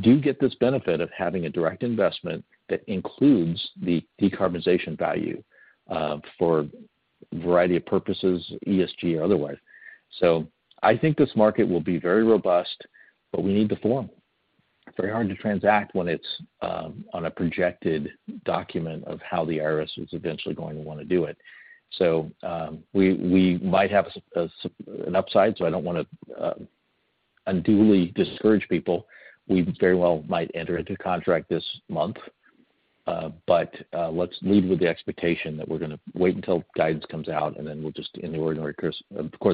do get this benefit of having a direct investment that includes the decarbonization value for a variety of purposes, ESG or otherwise. I think this market will be very robust, but we need the form. Very hard to transact when it's on a projected document of how the IRS is eventually going to wanna do it. We might have an upside, so I don't wanna unduly discourage people. We very well might enter into a contract this month. Let's lead with the expectation that we're gonna wait until guidance comes out, and then we'll just in the ordinary course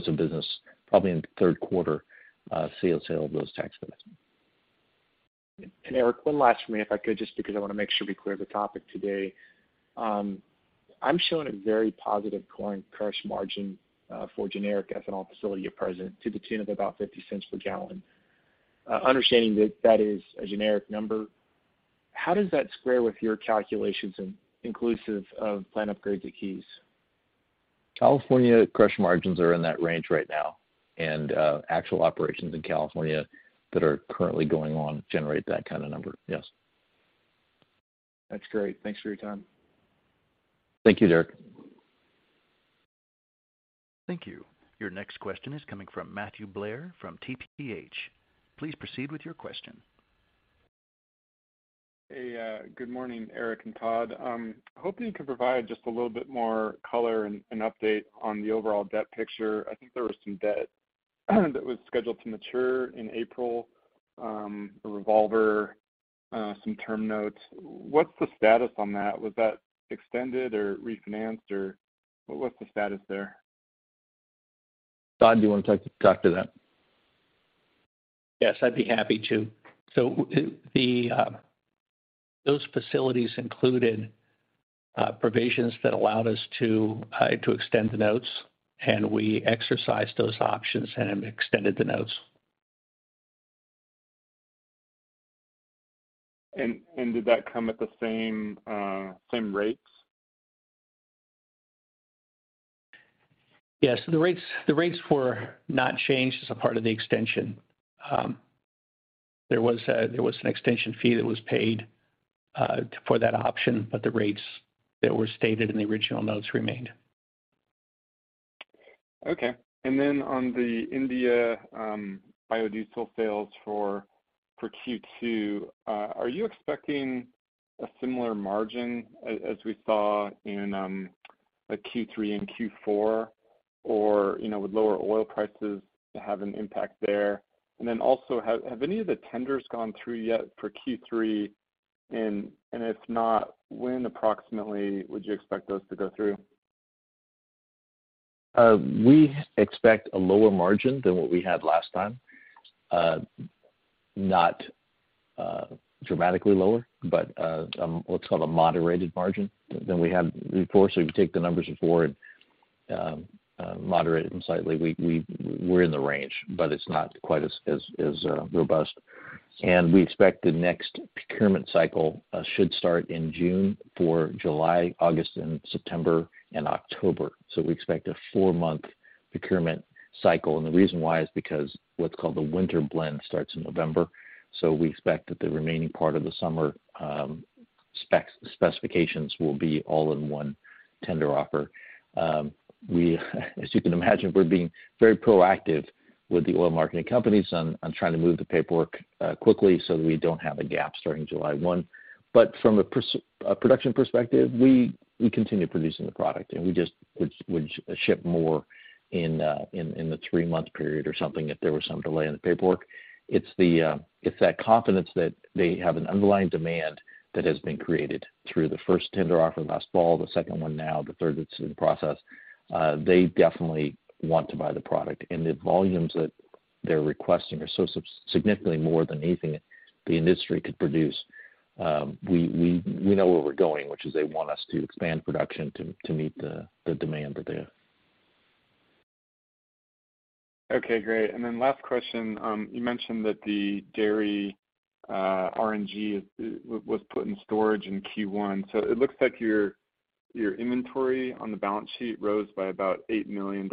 of business, probably in the third quarter, see a sale of those tax credits. Eric, one last for me, if I could, just because I wanna make sure we clear the topic today. I'm showing a very positive corn crush margin, for generic ethanol facility at present to the tune of about $0.50 per gallon. Understanding that that is a generic number, how does that square with your calculations inclusive of plant upgrades at Keyes? California crush margins are in that range right now. Actual operations in California that are currently going on generate that kind of number. Yes. That's great. Thanks for your time. Thank you, Derek. Thank you. Your next question is coming from Matthew Blair from TPH&Co. Please proceed with your question. Hey. Good morning, Eric and Todd. Hoping you could provide just a little bit more color and update on the overall debt picture. I think there was some debt that was scheduled to mature in April, a revolver, some term notes. What's the status on that? Was that extended or refinanced or what's the status there? Todd, do you wanna talk to that? Yes, I'd be happy to. The facilities included provisions that allowed us to extend the notes, and we exercised those options and extended the notes. Did that come at the same rates? Yes. The rates were not changed as a part of the extension. There was an extension fee that was paid for that option, but the rates that were stated in the original notes remained. Okay. On the India, biodiesel sales for Q2, are you expecting a similar margin as we saw in, like Q3 and Q4? You know, would lower oil prices have an impact there? Also, have any of the tenders gone through yet for Q3? If not, when approximately would you expect those to go through? We expect a lower margin than what we had last time. not dramatically lower, but what's called a moderated margin than we had before. If you take the numbers before and moderate them slightly, we're in the range, but it's not quite as robust. We expect the next procurement cycle should start in June for July, August, September, and October. We expect a four-month procurement cycle. The reason why is because what's called the winter blend starts in November. We expect that the remaining part of the summer specifications will be all in one tender offer. As you can imagine, we're being very proactive with the oil marketing companies on trying to move the paperwork quickly so that we don't have a gap starting July 1. From a production perspective, we continue producing the product and we just would ship more in the three-month period or something if there was some delay in the paperwork. It's the, it's that confidence that they have an underlying demand that has been created through the first tender offer last fall, the second one now, the third that's in process. They definitely want to buy the product. The volumes that they're requesting are so sub-significantly more than anything the industry could produce. We know where we're going, which is they want us to expand production to meet the demand that they have. Okay, great. Last question. You mentioned that the dairy RNG was put in storage in Q1. It looks like your inventory on the balance sheet rose by about $8 million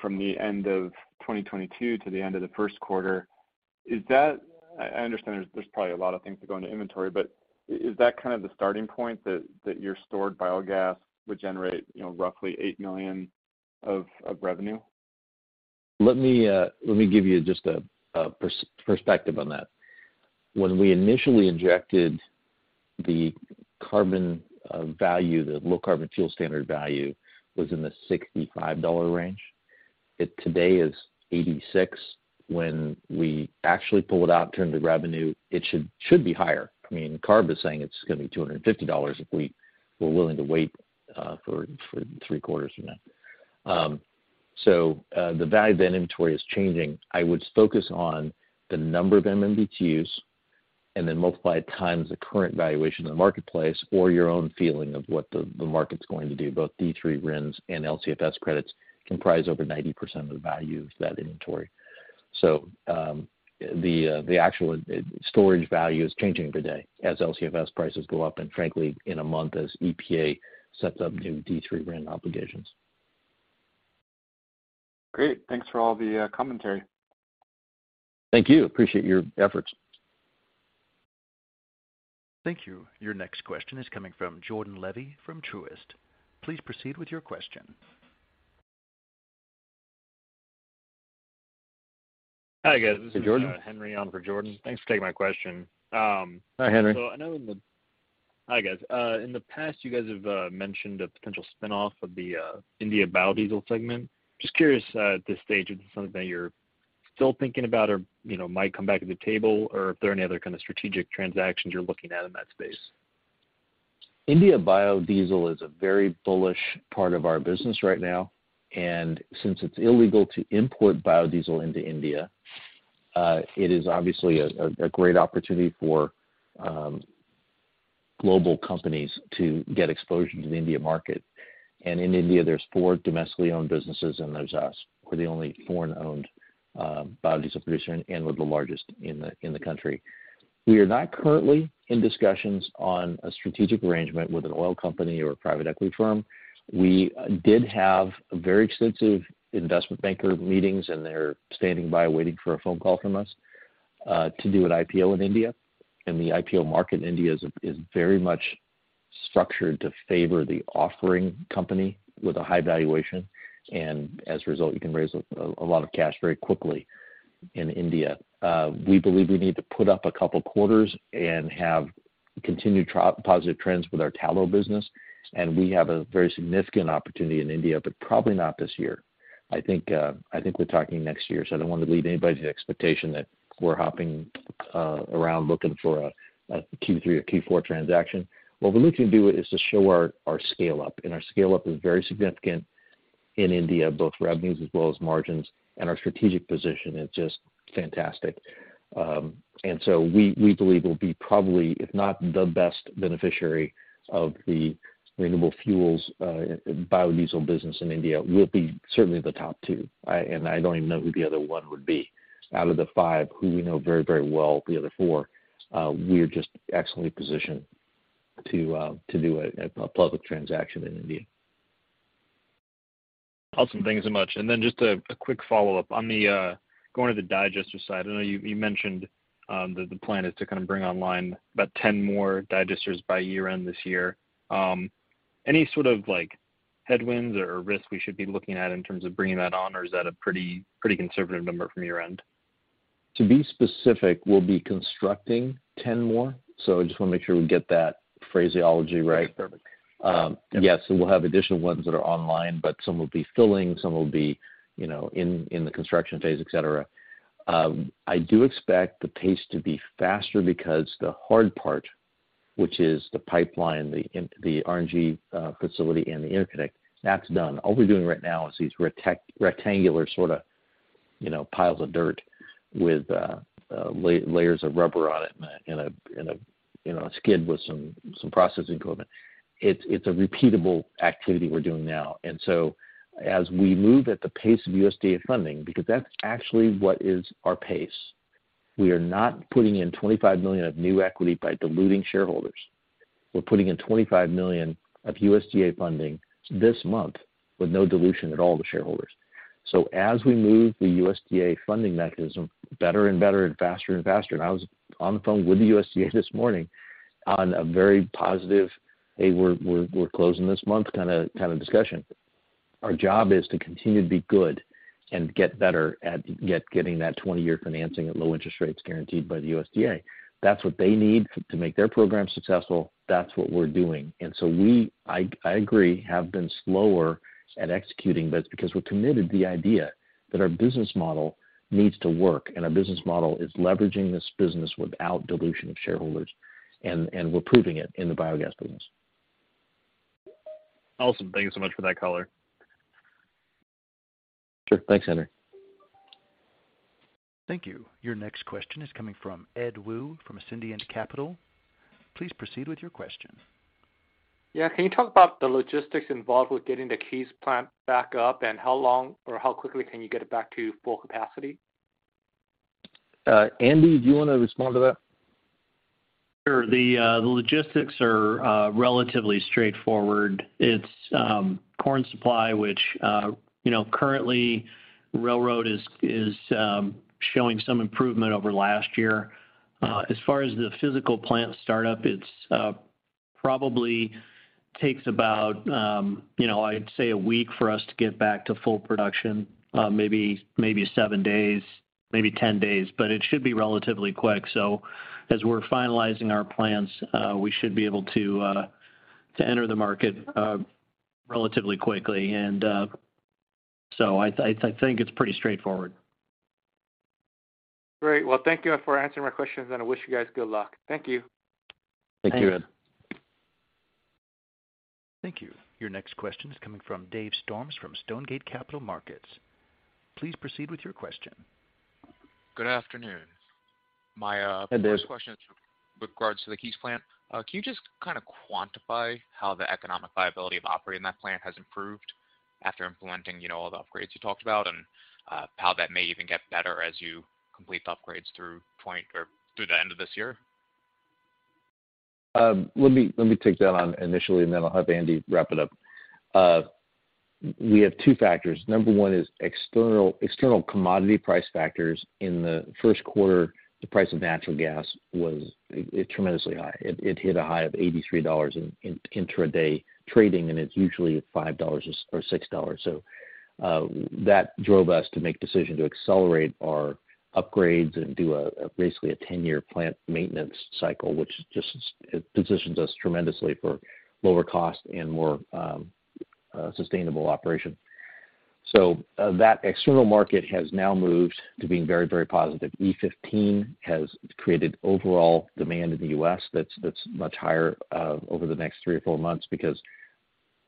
from the end of 2022 to the end of the first quarter. Is that I understand there's probably a lot of things that go into inventory, but is that kind of the starting point that your stored biogas would generate, you know, roughly $8 million of revenue? Let me give you just a perspective on that. When we initially injected the carbon value, the Low Carbon Fuel Standard value was in the $65 range. It today is $86. When we actually pull it out, turn to revenue, it should be higher. I mean, CARB is saying it's going to be $250 if we were willing to wait for 3 quarters from now. The value of that inventory is changing. I would focus on the number of MMBTU and then multiply it times the current valuation in the marketplace or your own feeling of what the market's going to do. Both D3 RINs and LCFS credits comprise over 90% of the value of that inventory. The actual storage value is changing every day as LCFS prices go up and frankly, in a month as EPA sets up new D3 RIN obligations. Great. Thanks for all the commentary. Thank you. Appreciate your efforts. Thank you. Your next question is coming from Jordan Levy from Truist. Please proceed with your question. Hi, guys. This is Jordan. This is, Henry on for Jordan. Thanks for taking my question. Hi, Henry. Hi, guys. I know in the past, you guys have mentioned a potential spinoff of the India biodiesel segment. Just curious, at this stage, is this something that you're still thinking about or, you know, might come back to the table or if there are any other kind of strategic transactions you're looking at in that space? India biodiesel is a very bullish part of our business right now, and since it's illegal to import biodiesel into India, it is obviously a great opportunity for global companies to get exposure to the India market. In India, there's four domestically owned businesses, and there's us. We're the only foreign-owned biodiesel producer, and we're the largest in the country. We are not currently in discussions on a strategic arrangement with an oil company or a private equity firm. We did have very extensive investment banker meetings, and they're standing by waiting for a phone call from us to do an IPO in India. The IPO market in India is very much structured to favor the offering company with a high valuation. As a result, you can raise a lot of cash very quickly in India. We believe we need to put up a couple quarters and have continued positive trends with our tallow business. We have a very significant opportunity in India, but probably not this year. I think we're talking next year, so I don't want to lead anybody to the expectation that we're hopping around looking for a Q3 or Q4 transaction. What we're looking to do is to show our scale up, and our scale up is very significant in India, both revenues as well as margins, and our strategic position is just fantastic. So we believe we'll be probably, if not the best beneficiary of the renewable fuels, biodiesel business in India. We'll be certainly the top two. And I don't even know who the other one would be. Out of the five who we know very, very well, the other four, we are just excellently positioned to do a public transaction in India. Awesome. Thank you so much. Just a quick follow-up. On the going to the digester side, I know you mentioned that the plan is to kind of bring online about 10 more digesters by year-end this year. Any sort of like headwinds or risks we should be looking at in terms of bringing that on, or is that a pretty conservative number from your end? To be specific, we'll be constructing 10 more. I just wanna make sure we get that phraseology right. Perfect. Yeah. We'll have additional ones that are online, but some will be filling, some will be, you know, in the construction phase, et cetera. I do expect the pace to be faster because the hard part, which is the pipeline, the RNG facility and the interconnect, that's done. All we're doing right now is these rectangular sorta, you know, piles of dirt with layers of rubber on it and a, and a, you know, a skid with some processing equipment. It's a repeatable activity we're doing now. As we move at the pace of USDA funding, because that's actually what is our pace. We are not putting in $25 million of new equity by diluting shareholders. We're putting in $25 million of USDA funding this month with no dilution at all to shareholders. As we move the USDA funding mechanism better and better and faster and faster, and I was on the phone with the USDA this morning on a very positive, "Hey, we're closing this month," kinda discussion. Our job is to continue to be good and get better at getting that 20-year financing at low interest rates guaranteed by the USDA. That's what they need to make their program successful. That's what we're doing. We, I agree, have been slower at executing, but it's because we're committed to the idea that our business model needs to work, and our business model is leveraging this business without dilution of shareholders, and we're proving it in the Biogas business. Awesome. Thank you so much for that color. Sure. Thanks, Henry. Thank you. Your next question is coming from Ed Wu from Ascendiant Capital. Please proceed with your question. Yeah. Can you talk about the logistics involved with getting the Keyes plant back up, and how long or how quickly can you get it back to full capacity? Andy, do you wanna respond to that? Sure. The logistics are relatively straightforward. It's corn supply, which, you know, currently railroad is showing some improvement over last year. As far as the physical plant startup, it's probably takes about, you know, I'd say a week for us to get back to full production, maybe seven days, maybe 10 days. It should be relatively quick. As we're finalizing our plans, we should be able to enter the market relatively quickly. I think it's pretty straightforward. Great. Well, thank you for answering my questions. I wish you guys good luck. Thank you. Thank you, Ed. Thanks. Thank you. Your next question is coming from David Storms from Stonegate Capital Markets. Please proceed with your question. Good afternoon. Hi, Dave. First question is with regards to the Keyes plant. Can you just kind of quantify how the economic viability of operating that plant has improved after implementing, you know, all the upgrades you talked about, and how that may even get better as you complete the upgrades or through the end of this year? Let me take that on initially, then I'll have Andy wrap it up. We have two factors. Number one is external commodity price factors. In the first quarter, the price of natural gas was tremendously high. It hit a high of $83 in intraday trading, it's usually $5 or $6. That drove us to make decision to accelerate our upgrades and do a, basically a 10-year plant maintenance cycle, which just positions us tremendously for lower cost and more sustainable operation. That external market has now moved to being very positive. E15 has created overall demand in the U.S. that's much higher over the next 3 or 4 months because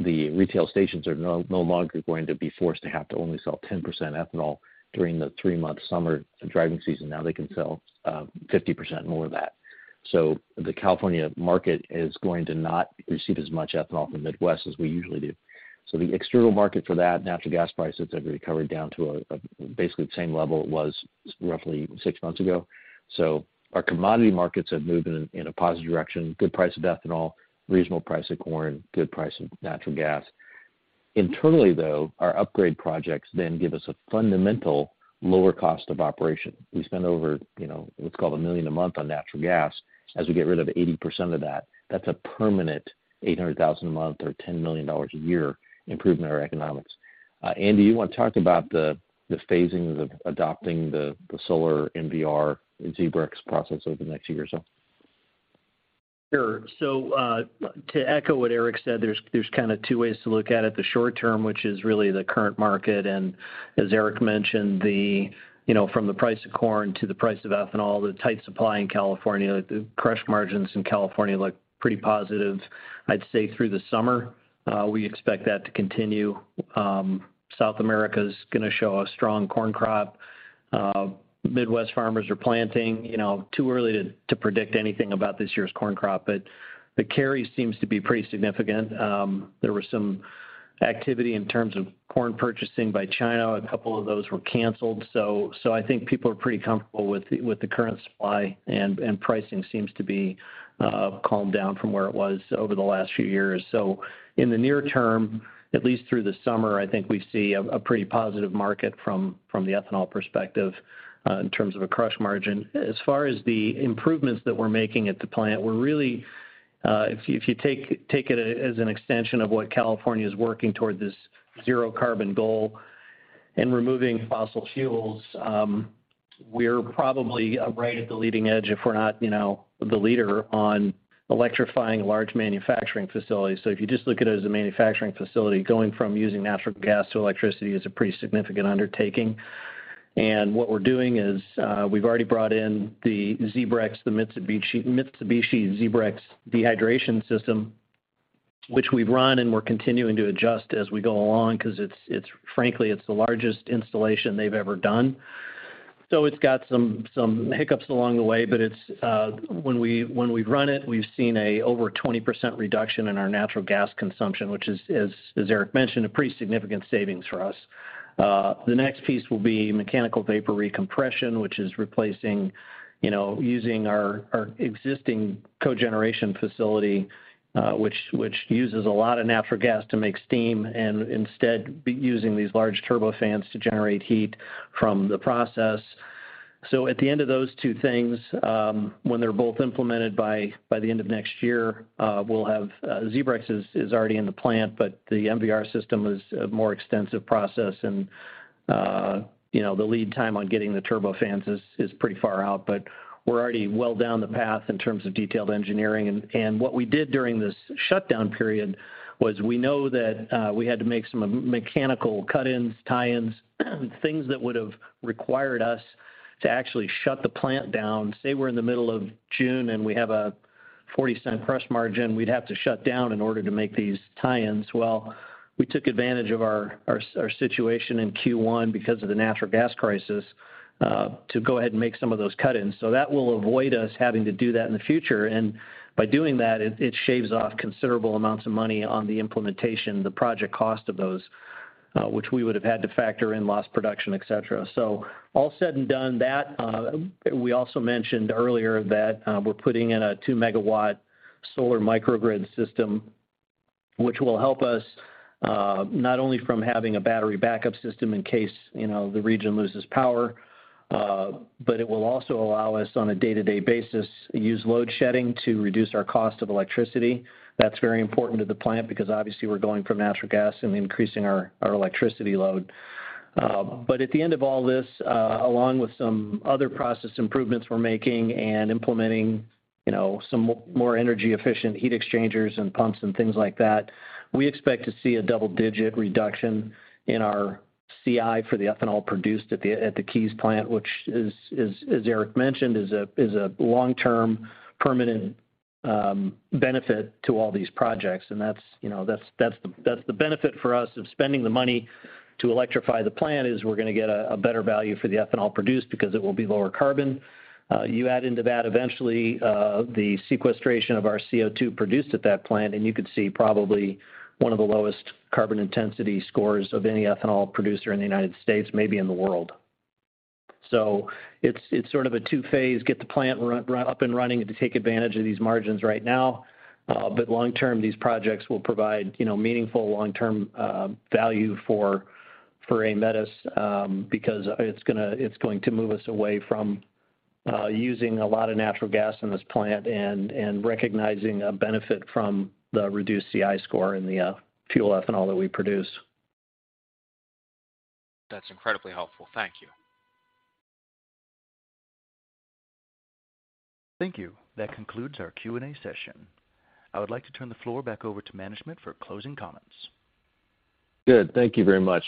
the retail stations are no longer going to be forced to have to only sell 10% ethanol during the 3-month summer driving season. Now they can sell 50% more of that. The California market is going to not receive as much ethanol from the Midwest as we usually do. The external market for that natural gas prices have recovered down to basically the same level it was roughly 6 months ago. Our commodity markets have moved in a positive direction, good price of ethanol, reasonable price of corn, good price of natural gas. Internally, though, our upgrade projects then give us a fundamental lower cost of operation. We spend over, you know, what's called $1 million a month on natural gas. As we get rid of 80% of that's a permanent $800,000 a month or $10 million a year improvement in our economics. Andy, you want to talk about the phasing of adopting the solar MVR ZEBREX process over the next year or so? Sure. To echo what Eric said, there's kind of two ways to look at it. The short term, which is really the current market, and as Eric mentioned, you know, from the price of corn to the price of ethanol, the tight supply in California, the crush margins in California look pretty positive. I'd say through the summer, we expect that to continue. South America's gonna show a strong corn crop. Midwest farmers are planting, you know, too early to predict anything about this year's corn crop, but the carry seems to be pretty significant. There was some activity in terms of corn purchasing by China. A couple of those were canceled. I think people are pretty comfortable with the current supply, and pricing seems to be calmed down from where it was over the last few years. In the near term, at least through the summer, I think we see a pretty positive market from the ethanol perspective in terms of a crush margin. As far as the improvements that we're making at the plant, we're really, if you take it as an extension of what California is working toward this zero carbon goal and removing fossil fuels, we're probably right at the leading edge if we're not, you know, the leader on electrifying large manufacturing facilities. If you just look at it as a manufacturing facility, going from using natural gas to electricity is a pretty significant undertaking. What we're doing is, we've already brought in the ZEBREX, the Mitsubishi ZEBREX dehydration system, which we've run, and we're continuing to adjust as we go along because frankly, it's the largest installation they've ever done. It's got some hiccups along the way, but when we run it, we've seen a over 20% reduction in our natural gas consumption, which is, as Eric mentioned, a pretty significant savings for us. The next piece will be mechanical vapor recompression, which is replacing, you know, using our existing cogeneration facility, which uses a lot of natural gas to make steam and instead be using these large turbo fans to generate heat from the process. At the end of those two things, when they're both implemented by the end of next year, ZEBREX is already in the plant, but the MVR system is a more extensive process. You know, the lead time on getting the turbo fans is pretty far out, but we're already well down the path in terms of detailed engineering. What we did during this shutdown period was we know that we had to make some mechanical cut-ins, tie-ins, things that would have required us to actually shut the plant down. Say we're in the middle of June, and we have a $0.40 crush margin, we'd have to shut down in order to make these tie-ins. Well, we took advantage of our situation in Q1 because of the natural gas crisis to go ahead and make some of those cut-ins. That will avoid us having to do that in the future. By doing that, it shaves off considerable amounts of money on the implementation, the project cost of those. Which we would have had to factor in lost production, et cetera. All said and done, that, we also mentioned earlier that, we're putting in a 2-MW solar microgrid system which will help us not only from having a battery backup system in case, you know, the region loses power, but it will also allow us on a day-to-day basis use load shedding to reduce our cost of electricity. That's very important to the plant because obviously we're going from natural gas and increasing our electricity load. At the end of all this, along with some other process improvements we're making and implementing, you know, some more energy efficient heat exchangers and pumps and things like that, we expect to see a double-digit reduction in our CI for the ethanol produced at the Keyes plant, which is, as Eric mentioned, is a long-term permanent benefit to all these projects. That's, you know, that's the benefit for us of spending the money to electrify the plant, is we're gonna get a better value for the ethanol produced because it will be lower carbon. You add into that eventually, the sequestration of our CO2 produced at that plant, and you could see probably one of the lowest carbon intensity scores of any ethanol producer in the United States, maybe in the world. It's sort of a two-phase, get the plant run up and running to take advantage of these margins right now. Long term, these projects will provide, you know, meaningful long-term value for Aemetis because it's going to move us away from using a lot of natural gas in this plant and recognizing a benefit from the reduced CI score in the fuel ethanol that we produce. That's incredibly helpful. Thank you. Thank you. That concludes our Q&A session. I would like to turn the floor back over to management for closing comments. Good. Thank you very much.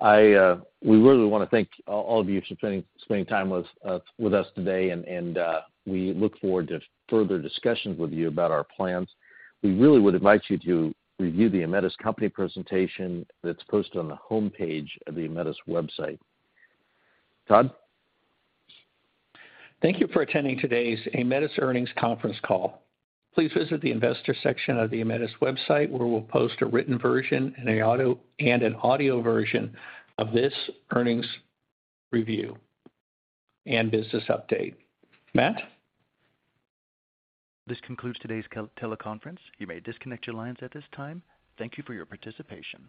I, we really wanna thank all of you for spending time with us today. We look forward to further discussions with you about our plans. We really would invite you to review the Aemetis company presentation that's posted on the homepage of the Aemetis website. Todd? Thank you for attending today's Aemetis earnings conference call. Please visit the investor section of the Aemetis website, where we'll post a written version and an audio version of this earnings review and business update. Matt? This concludes today's teleconference. You may disconnect your lines at this time. Thank you for your participation.